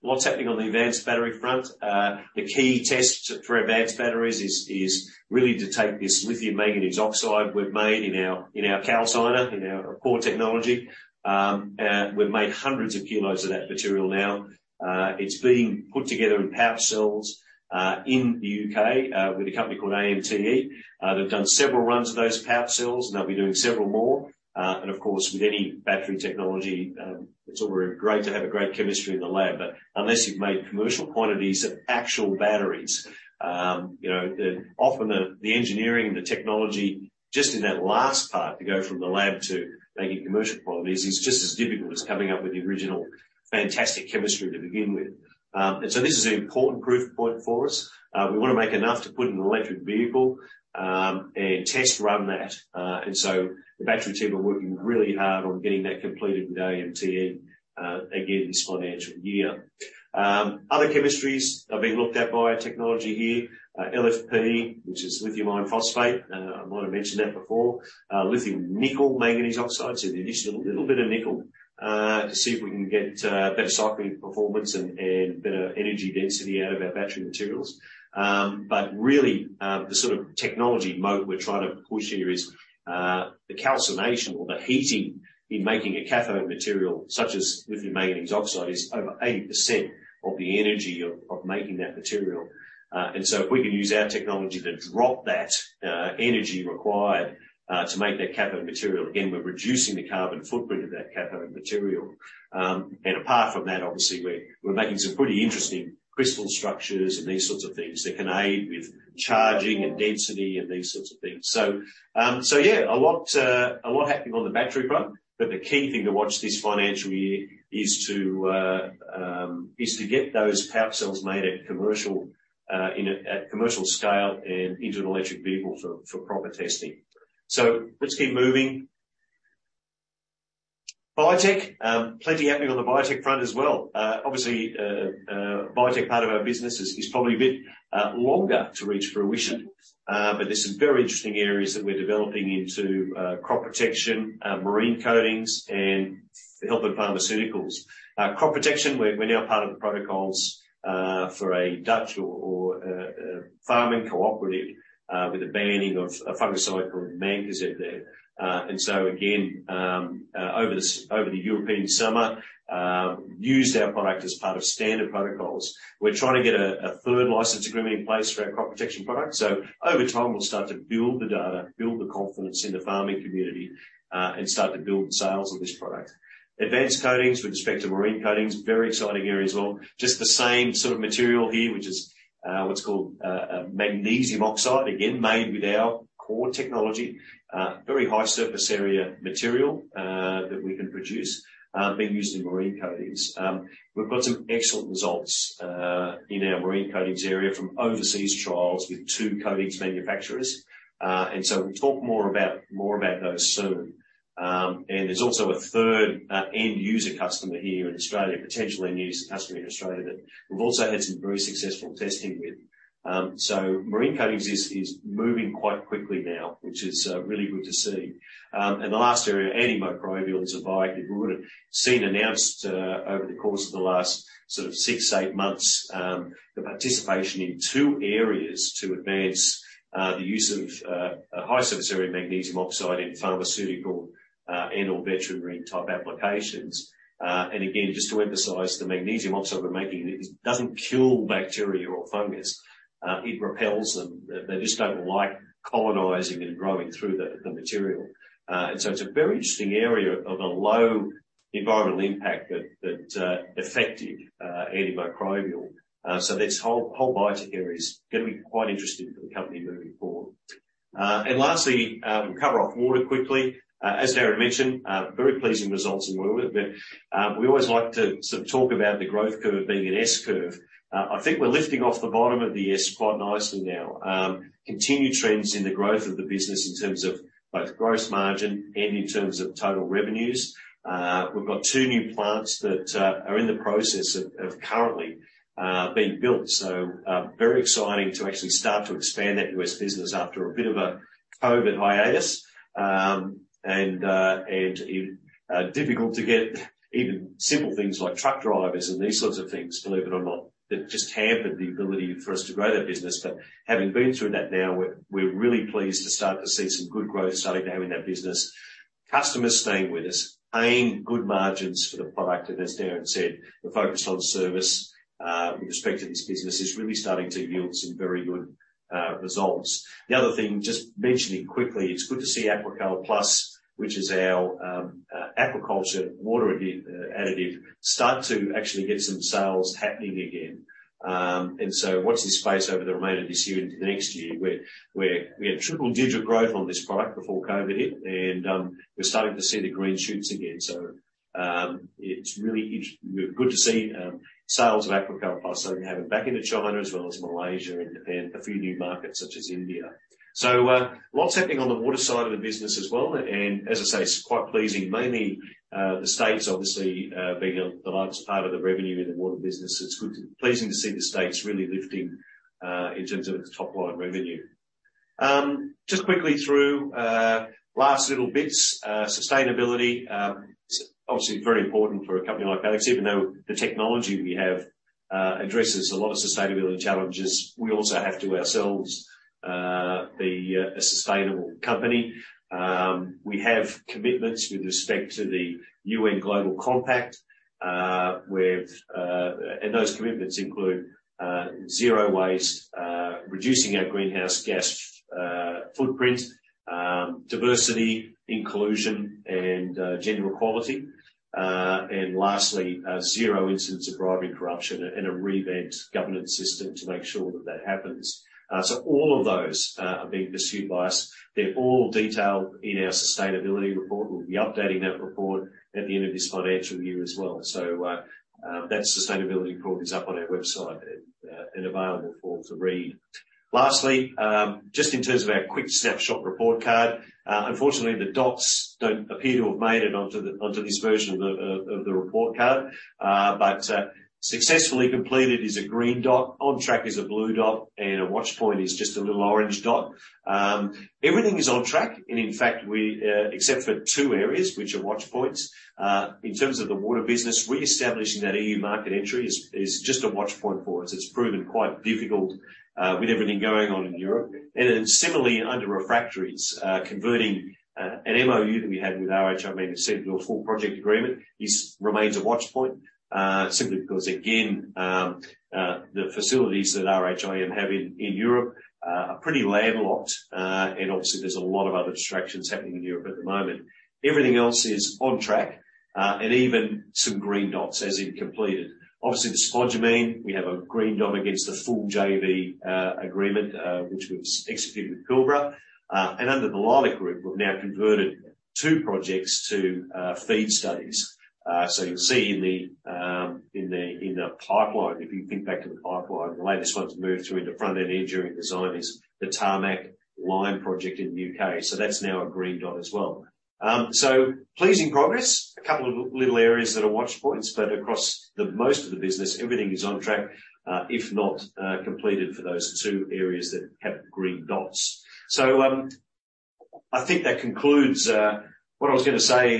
what's happening on the advanced battery front? The key tests for advanced batteries is really to take this lithium manganese oxide we've made in our, in our calciner, in our core technology, and we've made hundreds of kilos of that material now. It's being put together in pouch cells in the U.K. with a company called AMTE. They've done several runs of those pouch cells, and they'll be doing several more. Of course, with any battery technology, it's all very great to have a great chemistry in the lab, but unless you've made commercial quantities of actual batteries, you know, the engineering and the technology just in that last part to go from the lab to making commercial quantities is just as difficult as coming up with the original fantastic chemistry to begin with. This is an important proof point for us. We wanna make enough to put in an electric vehicle and test run that. The battery team are working really hard on getting that completed with AMTE again this financial year. Other chemistries are being looked at by our technology here. LFP, which is lithium iron phosphate, I might have mentioned that before. Lithium nickel manganese oxide, so the addition of a little bit of nickel, to see if we can get better cycling performance and better energy density out of our battery materials. But really, the sort of technology mode we're trying to push here is the calcination or the heating in making a cathode material such as lithium manganese oxide is over 80% of the energy of making that material. So if we can use our technology to drop that energy required to make that cathode material, again, we're reducing the carbon footprint of that cathode material. Apart from that, obviously we're making some pretty interesting crystal structures and these sorts of things that can aid with charging and density and these sorts of things. Yeah, a lot happening on the battery front, but the key thing to watch this financial year is to get those pouch cells made at commercial scale and into an electric vehicle for proper testing. Let's keep moving. Biotech. Plenty happening on the biotech front as well. Obviously, biotech part of our business is probably a bit longer to reach fruition, but there're some very interesting areas that we're developing into crop protection, marine coatings, and health and pharmaceuticals. Crop protection, we're now part of the protocols for a Dutch or farming cooperative, with the banning of a fungicide called mancozeb there. Again, over the European summer, used our product as part of standard protocols. We're trying to get a third license agreement in place for our crop protection product. Over time, we'll start to build the data, build the confidence in the farming community, and start to build the sales of this product. Advanced coatings with respect to marine coatings, very exciting area as well. Just the same sort of material here, which is what's called magnesium oxide, again, made with our core technology. Very high surface area material that we can produce, being used in marine coatings. We've got some excellent results in our marine coatings area from overseas trials with two coatings manufacturers. We'll talk more about those soon. There's also a third end user customer here in Australia, potentially an end user customer in Australia that we've also had some very successful testing with. Marine coatings is moving quite quickly now, which is really good to see. The last area, antimicrobials and biotech, we would've seen announced over the course of the last sort of six, eight months, the participation in two areas to advance the use of a high surface area magnesium oxide in pharmaceutical and/or veterinary type applications. Again, just to emphasize, the magnesium oxide we're making, it doesn't kill bacteria or fungus, it repels them. They just don't like colonizing and growing through the material. It's a very interesting area of a low environmental impact that effective antimicrobial. This whole biotech area is gonna be quite interesting for the company moving forward. Lastly, we'll cover off water quickly. As Darren mentioned, very pleasing results in water, but we always like to sort of talk about the growth curve being an S curve. I think we're lifting off the bottom of the S quite nicely now. Continued trends in the growth of the business in terms of both gross margin and in terms of total revenues. We've got two new plants that are in the process of currently being built. Very exciting to actually start to expand that U.S. business after a bit of a COVID hiatus. Difficult to get even simple things like truck drivers and these sorts of things, believe it or not, that just hampered the ability for us to grow that business. Having been through that now, we're really pleased to start to see some good growth starting to happen in that business. Customers staying with us, paying good margins for the product, and as Darren said, we're focused on service. With respect to this business, it's really starting to yield some very good results. The other thing, just mentioning quickly, it's good to see AQUA-Cal+, which is our aquaculture water additive, start to actually get some sales happening again. Watch this space over the remainder of this year into next year. We had triple digit growth on this product before COVID hit. We're starting to see the green shoots again. It's really good to see sales of AQUA-Cal+ starting to happen back into China as well as Malaysia and Japan, a few new markets such as India. Lots happening on the water side of the business as well, and as I say, it's quite pleasing. Mainly, the States obviously, being the largest part of the revenue in the water business. Pleasing to see the States really lifting in terms of its top line revenue. Just quickly through last little bits. Sustainability is obviously very important for a company like Calix, even though the technology we have addresses a lot of sustainability challenges. We also have to ourselves be a sustainable company. We have commitments with respect to the UN Global Compact, and those commitments include zero waste, reducing our greenhouse gas footprint, diversity, inclusion and gender equality. Lastly, zero incidents of bribery corruption and a revamped governance system to make sure that that happens. All of those are being pursued by us. They're all detailed in our sustainability report. We'll be updating that report at the end of this financial year as well. That sustainability report is up on our website and available for all to read. Lastly, just in terms of our quick snapshot report card, unfortunately the dots don't appear to have made it onto this version of the report card. Successfully completed is a green dot, on track is a blue dot, and a watch point is just a little orange dot. Everything is on track and in fact we, except for two areas which are watch points. In terms of the water business, reestablishing that EU market entry is just a watch point for us. It's proven quite difficult, with everything going on in Europe. Similarly, under refractories, converting an MOU that we had with RHIM into a full project agreement remains a watch point, simply because again, the facilities that RHIM have in Europe are pretty landlocked. Obviously there's a lot of other distractions happening in Europe at the moment. Everything else is on track. Even some green dots, as in completed. Obviously the spodumene, we have a green dot against the full JV agreement, which was executed with Pilbara. Under the LEILAC group, we've now converted two projects to FEED studies. You'll see in the pipeline, if you think back to the pipeline, the latest one to move through into front-end engineering design is the Tarmac Lime project in the U.K.. That's now a green dot as well. Pleasing progress. A couple of little areas that are watch points, across the most of the business, everything is on track, if not completed for those 2 areas that have green dots. I think that concludes what I was gonna say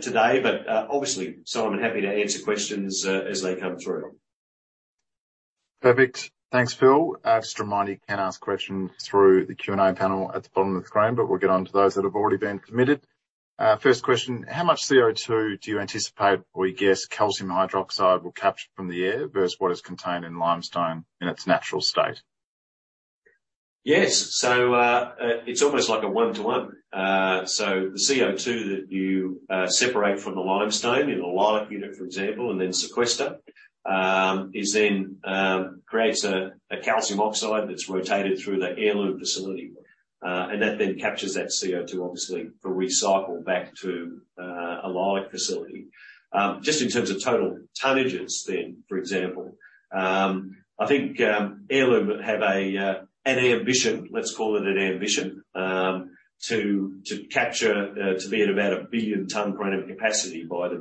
today, obviously Simon, happy to answer questions as they come through.
Perfect. Thanks, Phil. Just a reminder, you can ask questions through the Q&A panel at the bottom of the screen. We'll get onto those that have already been committed. First question. How much CO2 do you anticipate or you guess calcium hydroxide will capture from the air versus what is contained in limestone in its natural state?
Yes. It's almost like a one-to-one. The CO2 that you separate from the limestone in a LEILAC unit, for example, and then sequester, is then creates a calcium oxide that's rotated through the Heirloom facility. That then captures that CO2 obviously for recycle back to a LEILAC facility. Just in terms of total tonnages then, for example, I think Heirloom have an ambition, let's call it an ambition, to capture to be at about 1 billion ton per annum capacity by the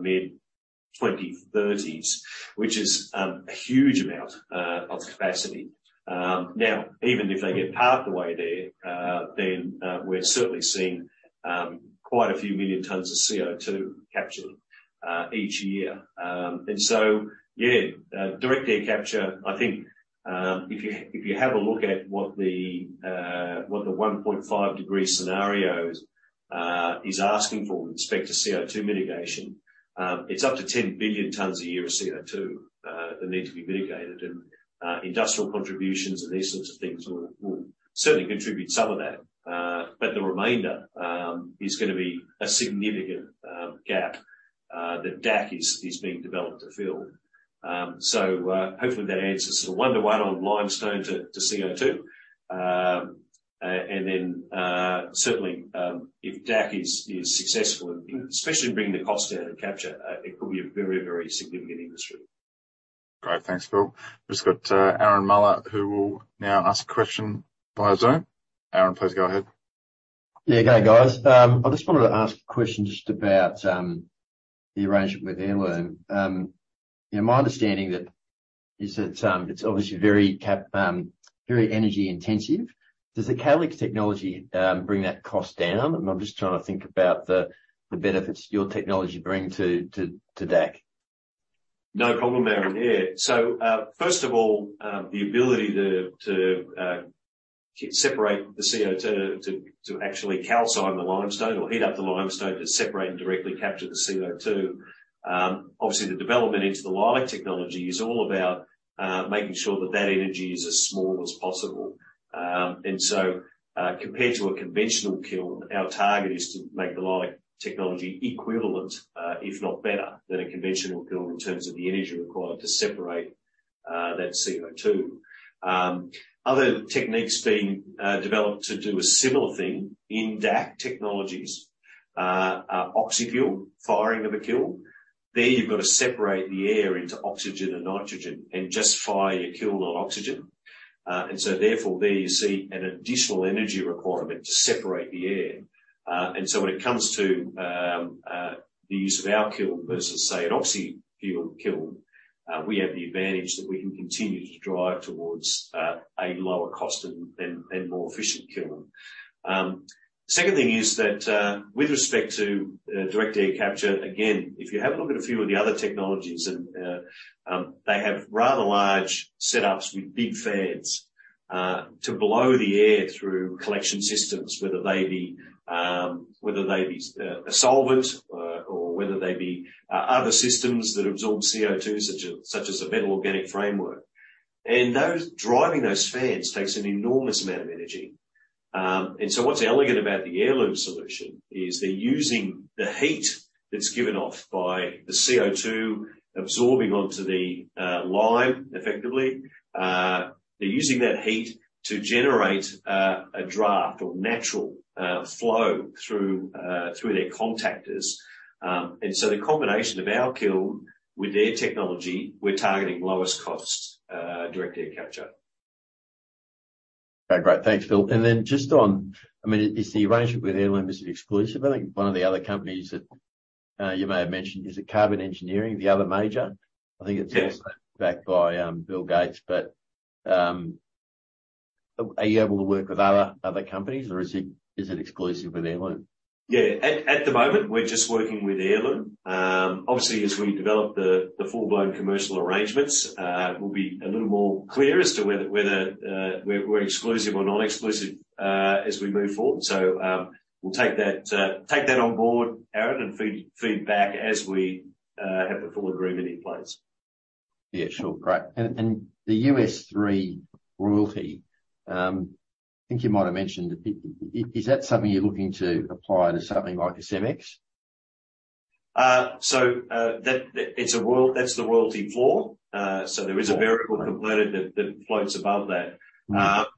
mid-2030s, which is a huge amount of capacity. Now, even if they get half the way there, then we're certainly seeing quite a few million tons of CO2 captured each year. Direct air capture, if you have a look at what the 1.5 degree scenario is asking for with respect to CO2 mitigation, it's up to 10 billion tons a year of CO2 that need to be mitigated. Industrial contributions and these sorts of things will certainly contribute some of that. The remainder is gonna be a significant gap that DAC is being developed to fill. Hopefully that answers sort of one-to-one on limestone to CO2. Certainly, if DAC is successful in especially bringing the cost down to capture, it could be a very significant industry.
Great. Thanks, Phil. We've just got Aaron [Miller], who will now ask a question via Zoom. Aaron, please go ahead.
Yeah. G'day, guys. I just wanted to ask a question just about the arrangement with Heirloom. You know, my understanding that is that it's obviously very energy intensive. Does the Calix technology bring that cost down? I'm just trying to think about the benefits your technology bring to DAC.
No problem, Aaron. First of all, the ability to separate the CO2 to actually calcine the limestone or heat up the limestone to separate and directly capture the CO2, obviously the development into the LEILAC technology is all about making sure that energy is as small as possible. Compared to a conventional kiln, our target is to make the LEILAC technology equivalent, if not better, than a conventional kiln in terms of the energy required to separate that CO2. Other techniques being developed to do a similar thing in DAC technologies. Oxyfuel, firing of a kiln. There you've got to separate the air into oxygen and nitrogen and just fire your kiln on oxygen. Therefore there you see an additional energy requirement to separate the air. When it comes to the use of our kiln versus say an Oxyfuel kiln, we have the advantage that we can continue to drive towards a lower cost and more efficient kiln. Second thing is that with respect to Direct Air Capture, again, if you have a look at a few of the other technologies and they have rather large setups with big fans to blow the air through collection systems, whether they be a solvent, or whether they be other systems that absorb CO2 such as a metal-organic framework. Those, driving those fans takes an enormous amount of energy. What's elegant about the Heirloom solution is they're using the heat that's given off by the CO2 absorbing onto the lime effectively. They're using that heat to generate a draft or natural flow through through their contactors. The combination of our kiln with their technology, we're targeting lowest costs Direct Air Capture.
Okay, great. Thanks, Phil. Then just on, I mean, is the arrangement with Heirloom, is it exclusive? I think one of the other companies that you may have mentioned. Is it Carbon Engineering, the other major?
Yes.
I think it's also backed by Bill Gates. Are you able to work with other companies, or is it exclusive with Heirloom?
Yeah. At the moment, we're just working with Heirloom. Obviously as we develop the full-blown commercial arrangements, we'll be a little more clear as to whether we're exclusive or non-exclusive, as we move forward. We'll take that on board, Aaron, and feed back as we have the full agreement in place.
Yeah, sure. Great. The $3 royalty, I think you might have mentioned, is that something you're looking to apply to something like a Cemex?
That's the royalty floor. there is variable component that floats above that.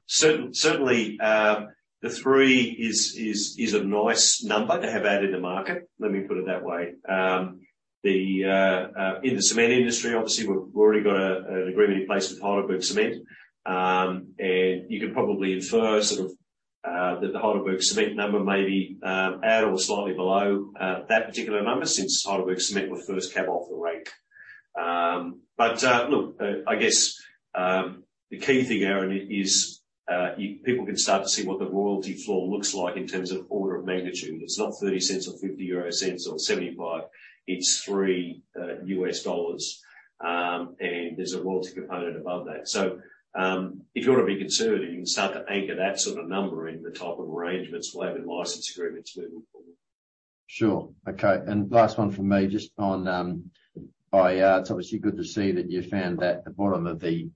Certainly, the three is a nice number to have out in the market, let me put it that way. In the cement industry, obviously we've already got an agreement in place with HeidelbergCement. You can probably infer sort of that the HeidelbergCement number may be at or slightly below that particular number since HeidelbergCement were first cab off the rank. Look, I guess the key thing, Aaron, is people can start to see what the royalty floor looks like in terms of order of magnitude. It's not 0.30 or 0.50 or 75. It's $3. There's a royalty component above that. If you want to be conservative, you can start to anchor that sort of number in the type of arrangements we'll have in license agreements moving forward.
Sure. Okay. Last one from me, just on, it's obviously good to see that you found that the bottom of the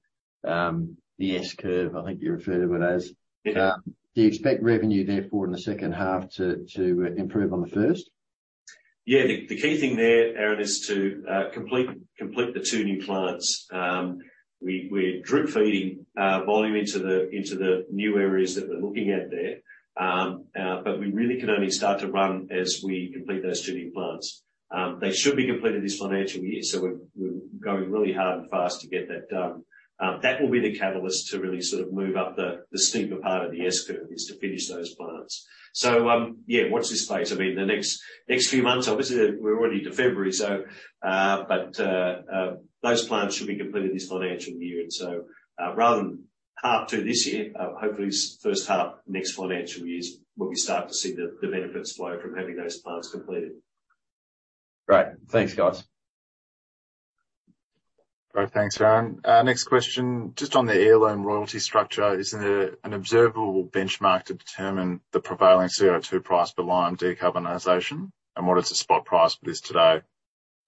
S curve, I think you refer to it as.
Yeah.
Do you expect revenue therefore in the second half to improve on the first?
The key thing there, Aaron, is to complete the two new plants. We're drip feeding volume into the new areas that we're looking at there. We really can only start to run as we complete those two new plants. They should be completed this financial year, we're going really hard and fast to get that done. That will be the catalyst to really sort of move up the steeper part of the S curve, is to finish those plants. Watch this space. I mean, the next few months, obviously we're already to February, those plants should be completed this financial year. Rather than half 2 this year, hopefully first half next financial years, we'll be starting to see the benefits flow from having those plants completed.
Great. Thanks, guys.
Great. Thanks, Aaron. Next question. Just on the Heirloom royalty structure, is there an observable benchmark to determine the prevailing CO2 price per lime decarbonization, and what is the spot price for this today?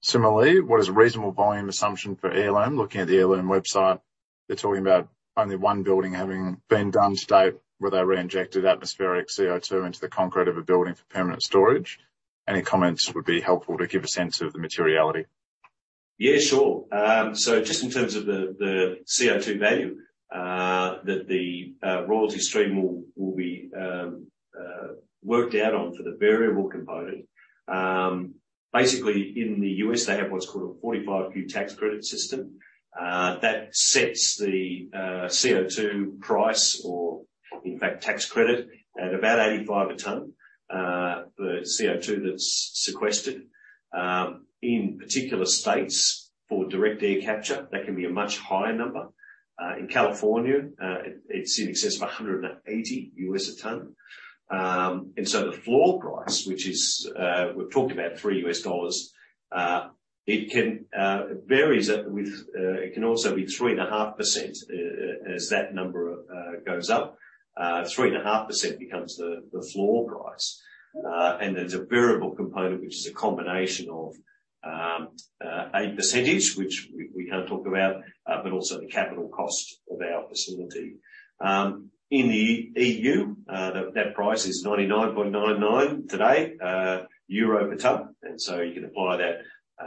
Similarly, what is a reasonable volume assumption for Heirloom? Looking at the Heirloom website, they're talking about only one building having been done to date, where they reinjected atmospheric CO2 into the concrete of a building for permanent storage. Any comments would be helpful to give a sense of the materiality.
Yeah, sure. Just in terms of the CO2 value that the royalty stream will be worked out on for the variable component. Basically in the U.S. they have what's called a 45Q tax credit system. That sets the CO2 price or in fact tax credit at about $85 a ton. The CO2 that's sequestered in particular states for Direct Air Capture, that can be a much higher number. In California, it's in excess of $180 a ton. The floor price, which is we're talking about $3, it can it varies with it can also be 3.5%. As that number goes up, 3.5% becomes the floor price. There's a variable component which is a combination of a percentage, which we can't talk about, but also the capital cost of our facility. In the EU, that price is 99.99 today, EUR per ton, and so you can apply that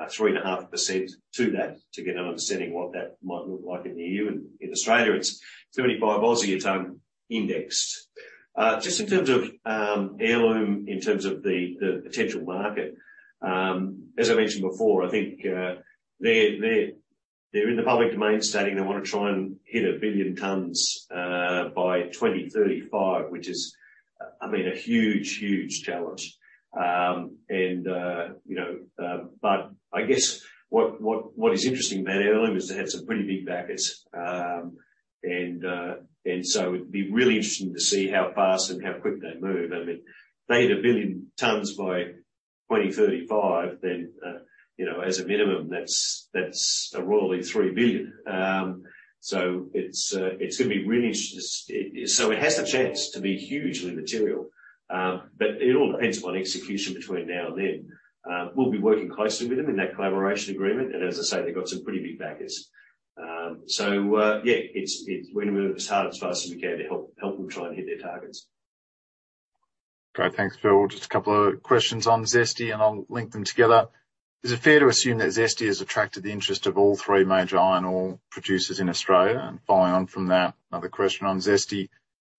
3.5% to that to get an understanding what that might look like in the EU and in Australia. It's 25 a ton indexed. Just in terms of Heirloom, in terms of the potential market, as I mentioned before, I think they're in the public domain stating they wanna try and hit 1 billion tons by 2035, which is, I mean, a huge, huge challenge. You know, but I guess what is interesting about Heirloom is they have some pretty big backers. It'd be really interesting to see how fast and how quick they move. I mean, if they hit 1 billion tons by 2035, you know, as a minimum, that's a royalty $3 billion. It's gonna be really interesting. So it has the chance to be hugely material, but it all depends upon execution between now and then. We'll be working closely with them in that collaboration agreement, and as I say, they've got some pretty big backers. Yeah, we're gonna work as hard and as fast as we can to help them try and hit their targets.
Great. Thanks, Phil. Just a couple of questions on ZESTY, I'll link them together. Is it fair to assume that ZESTY has attracted the interest of all three major iron ore producers in Australia? Following on from that, another question on ZESTY.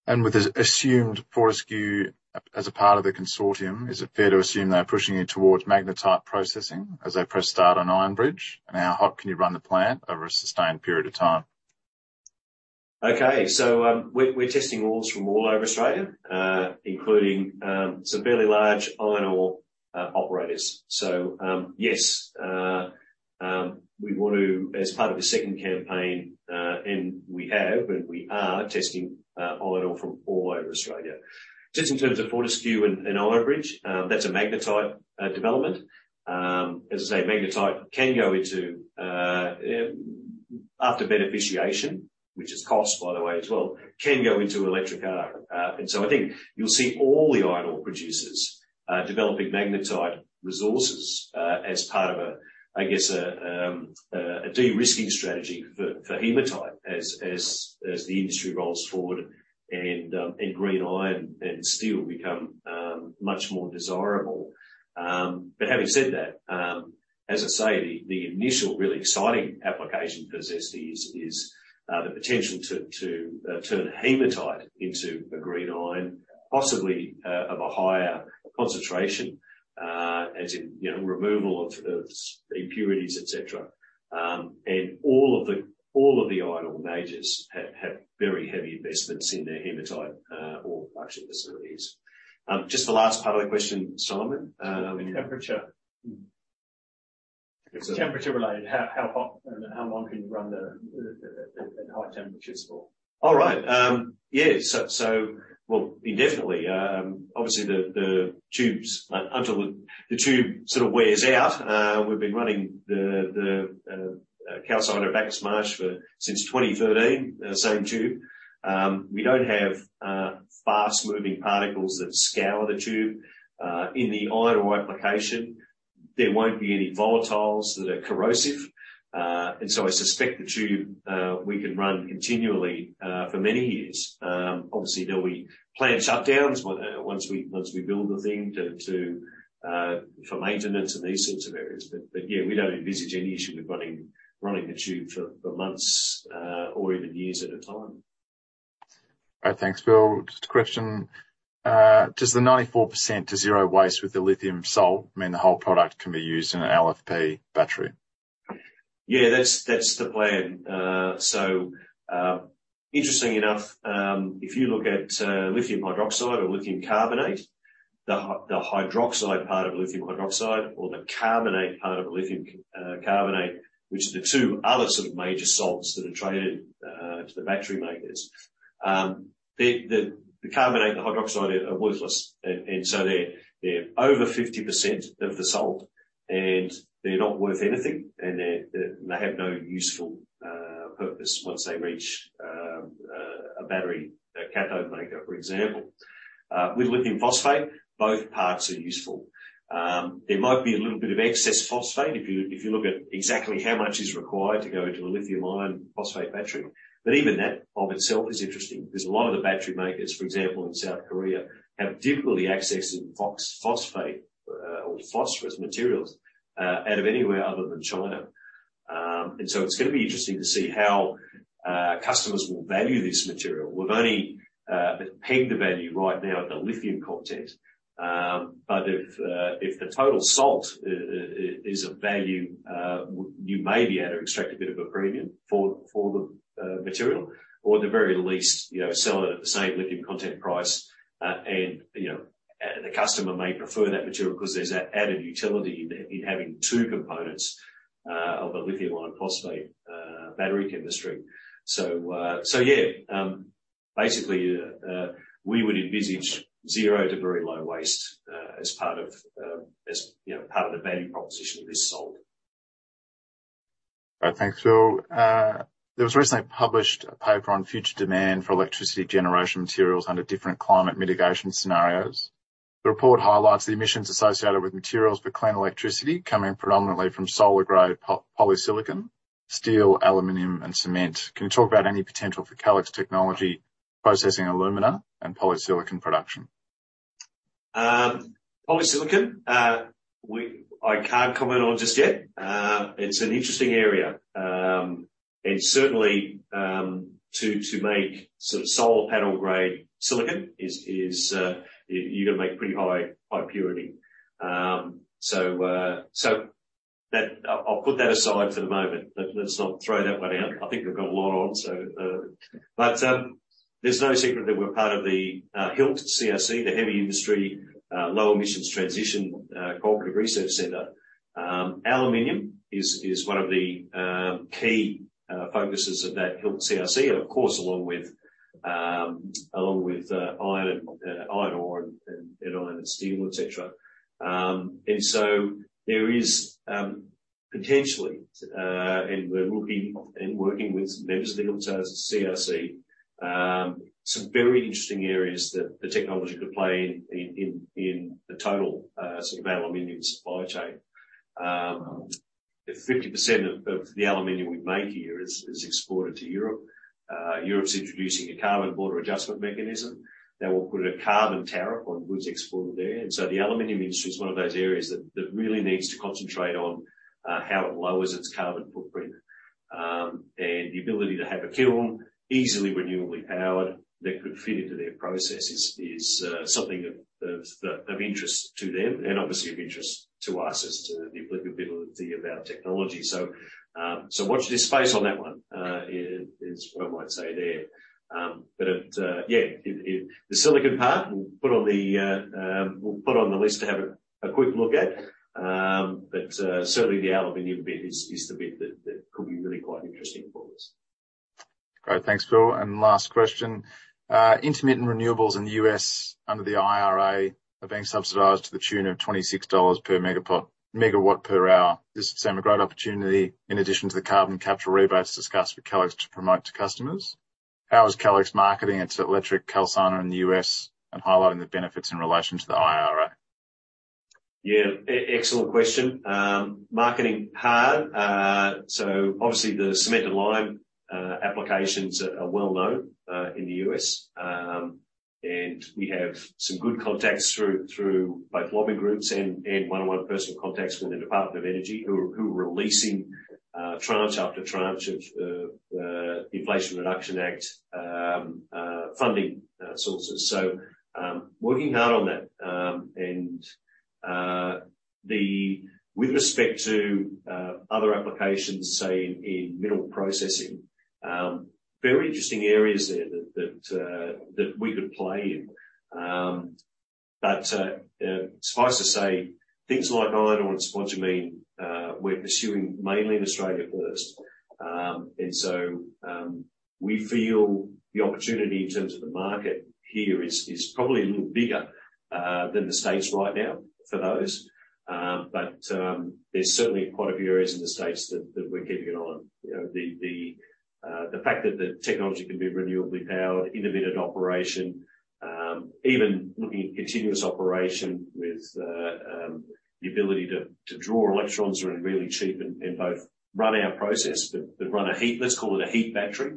With the assumed Fortescue as a part of the consortium, is it fair to assume they are pushing you towards magnetite processing as they press start on Ironbridge? How hot can you run the plant over a sustained period of time?
We're testing ores from all over Australia, including some fairly large iron ore operators. Yes, we want to, as part of the second campaign, and we are testing iron ore from all over Australia. Just in terms of Fortescue and Ironbridge, that's a magnetite development. As I say, magnetite can go into, after beneficiation, which is cost, by the way, as well, can go into electric arc. I think you'll see all the iron ore producers developing magnetite resources as part of a, I guess, a de-risking strategy for hematite as the industry rolls forward and green iron and steel become much more desirable. Having said that, as I say, the initial really exciting application for ZESTY is the potential to turn hematite into a green iron, possibly of a higher concentration, as in, you know, removal of impurities, et cetera. All of the iron ore majors have very heavy investments in their hematite, ore processing facilities. Just the last part of the question, Simon.
Temperature.
Sorry.
It's temperature related. How hot and how long can you run the at high temperatures for?
Right. Yeah. Well, indefinitely. Obviously the tubes, until the tube sort of wears out. We've been running the calciner at Bacchus Marsh since 2013, the same tube. We don't have fast-moving particles that scour the tube. In the iron ore application, there won't be any volatiles that are corrosive. I suspect the tube we can run continually for many years. Obviously, there'll be planned shutdowns once we build the thing for maintenance and these sorts of areas. Yeah, we don't envisage any issue with running the tube for months or even years at a time.
All right. Thanks, Phil. Just a question. Does the 94% to zero waste with the lithium salt mean the whole product can be used in an LFP battery?
Yeah, that's the plan. Interestingly enough, if you look at lithium hydroxide or lithium carbonate, the hydroxide part of lithium hydroxide or the carbonate part of lithium carbonate, which are the two other sort of major salts that are traded to the battery makers, the carbonate and the hydroxide are worthless. So they're over 50% of the salt, and they're not worth anything. And they have no useful purpose once they reach a battery, a cathode maker, for example. With lithium phosphate, both parts are useful. There might be a little bit of excess phosphate if you look at exactly how much is required to go into a lithium iron phosphate battery. Even that of itself is interesting 'cause a lot of the battery makers, for example, in South Korea, have difficulty accessing phosphate or phosphorus materials out of anywhere other than China. It's gonna be interesting to see how customers will value this material. We've only pegged the value right now at the lithium content. If the total salt is of value, you may be able to extract a bit of a premium for the material. Or at the very least, you know, sell it at the same lithium content price. You know, the customer may prefer that material 'cause there's that added utility in having two components of a lithium iron phosphate battery chemistry. Yeah. Basically, we would envisage zero to very low waste as part of, as, you know, part of the value proposition of this salt.
Right. Thanks, Phil. There was recently published a paper on future demand for electricity generation materials under different climate mitigation scenarios. The report highlights the emissions associated with materials for clean electricity coming predominantly from solar-grade polysilicon, steel, aluminum, and cement. Can you talk about any potential for Calix technology processing alumina and polysilicon production?
Polysilicon, I can't comment on just yet. It's an interesting area. Certainly, to make sort of solar panel grade silicon is, you gotta make pretty high purity. So that. I'll put that aside for the moment. Let's not throw that one out. I think we've got a lot on. There's no secret that we're part of the HILT CRC, the Heavy Industry Low Emissions Transition Cooperative Research Center. Aluminum is one of the key focuses of that HILT CRC, of course, along with iron ore and iron and steel, et cetera. There is potentially, and we're looking and working with members of the HILT CRC, some very interesting areas that the technology could play in the total sort of aluminum supply chain. If 50% of the aluminum we make here is exported to Europe's introducing a Carbon Border Adjustment Mechanism that will put a carbon tariff on goods exported there. The aluminum industry is one of those areas that really needs to concentrate on how it lowers its carbon footprint. The ability to have a kiln easily renewably powered that could fit into their process is something of interest to them and obviously of interest to us as to the applicability of our technology. Watch this space on that one is what I might say there. But it, yeah, the silicon part, we'll put on the list to have a quick look at. But certainly the aluminum bit is the bit that could be really quite interesting for us.
Great. Thanks, Phil. Last question. intermittent renewables in the U.S. under the IRA are being subsidized to the tune of $26 per megawatt per hour. This seem a great opportunity in addition to the carbon capture rebates discussed for Calix to promote to customers? How is Calix marketing its electric calciner in the U.S. and highlighting the benefits in relation to the IRA?
Yeah. Excellent question. Marketing hard. So obviously the cement and lime applications are well known in the U.S.. We have some good contacts through both lobby groups and one-on-one personal contacts within Department of Energy who are releasing tranche after tranche of the Inflation Reduction Act funding sources. Working hard on that. With respect to other applications, say in mineral processing, very interesting areas there that we could play in. Suffice to say things like iron ore and spodumene, we're pursuing mainly in Australia first. We feel the opportunity in terms of the market here is probably a little bigger than the States right now for those. There's certainly quite a few areas in the States that we're keeping an eye on. You know, the fact that the technology can be renewably powered, intermittent operation, even looking at continuous operation with the ability to draw electrons that are really cheap and both run our process but run a heat, let's call it a heat battery.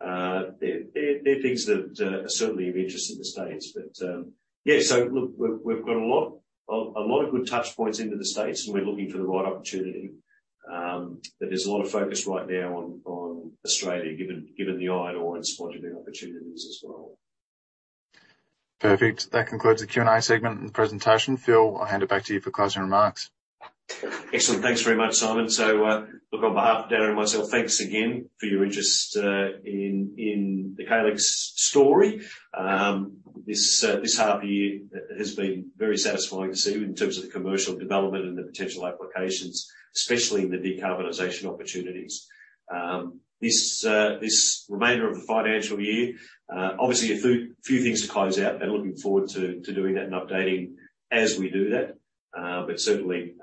They're things that are certainly of interest in the States. Yeah, look, we've got a lot of good touch points into the States and we're looking for the right opportunity. There's a lot of focus right now on Australia, given the iron ore and spodumene opportunities as well.
Perfect. That concludes the Q&A segment and the presentation. Phil, I'll hand it back to you for closing remarks.
Excellent. Thanks very much, Simon. Look, on behalf of Darren and myself, thanks again for your interest in the Calix story. This half year has been very satisfying to see in terms of the commercial development and the potential applications, especially in the decarbonization opportunities. This remainder of the financial year, obviously a few things to close out and looking forward to doing that and updating as we do that. Certainly,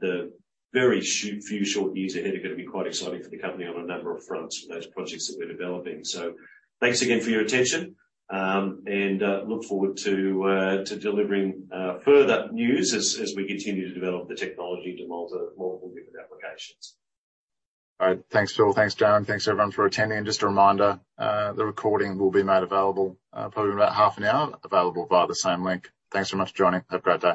the very few short years ahead are gonna be quite exciting for the company on a number of fronts with those projects that we're developing. Thanks again for your attention, look forward to delivering further news as we continue to develop the technology to multiple different applications.
All right. Thanks, Phil. Thanks, Darren. Thanks, everyone, for attending. Just a reminder, the recording will be made available, probably in about half an hour, available via the same link. Thanks very much for joining. Have a great day.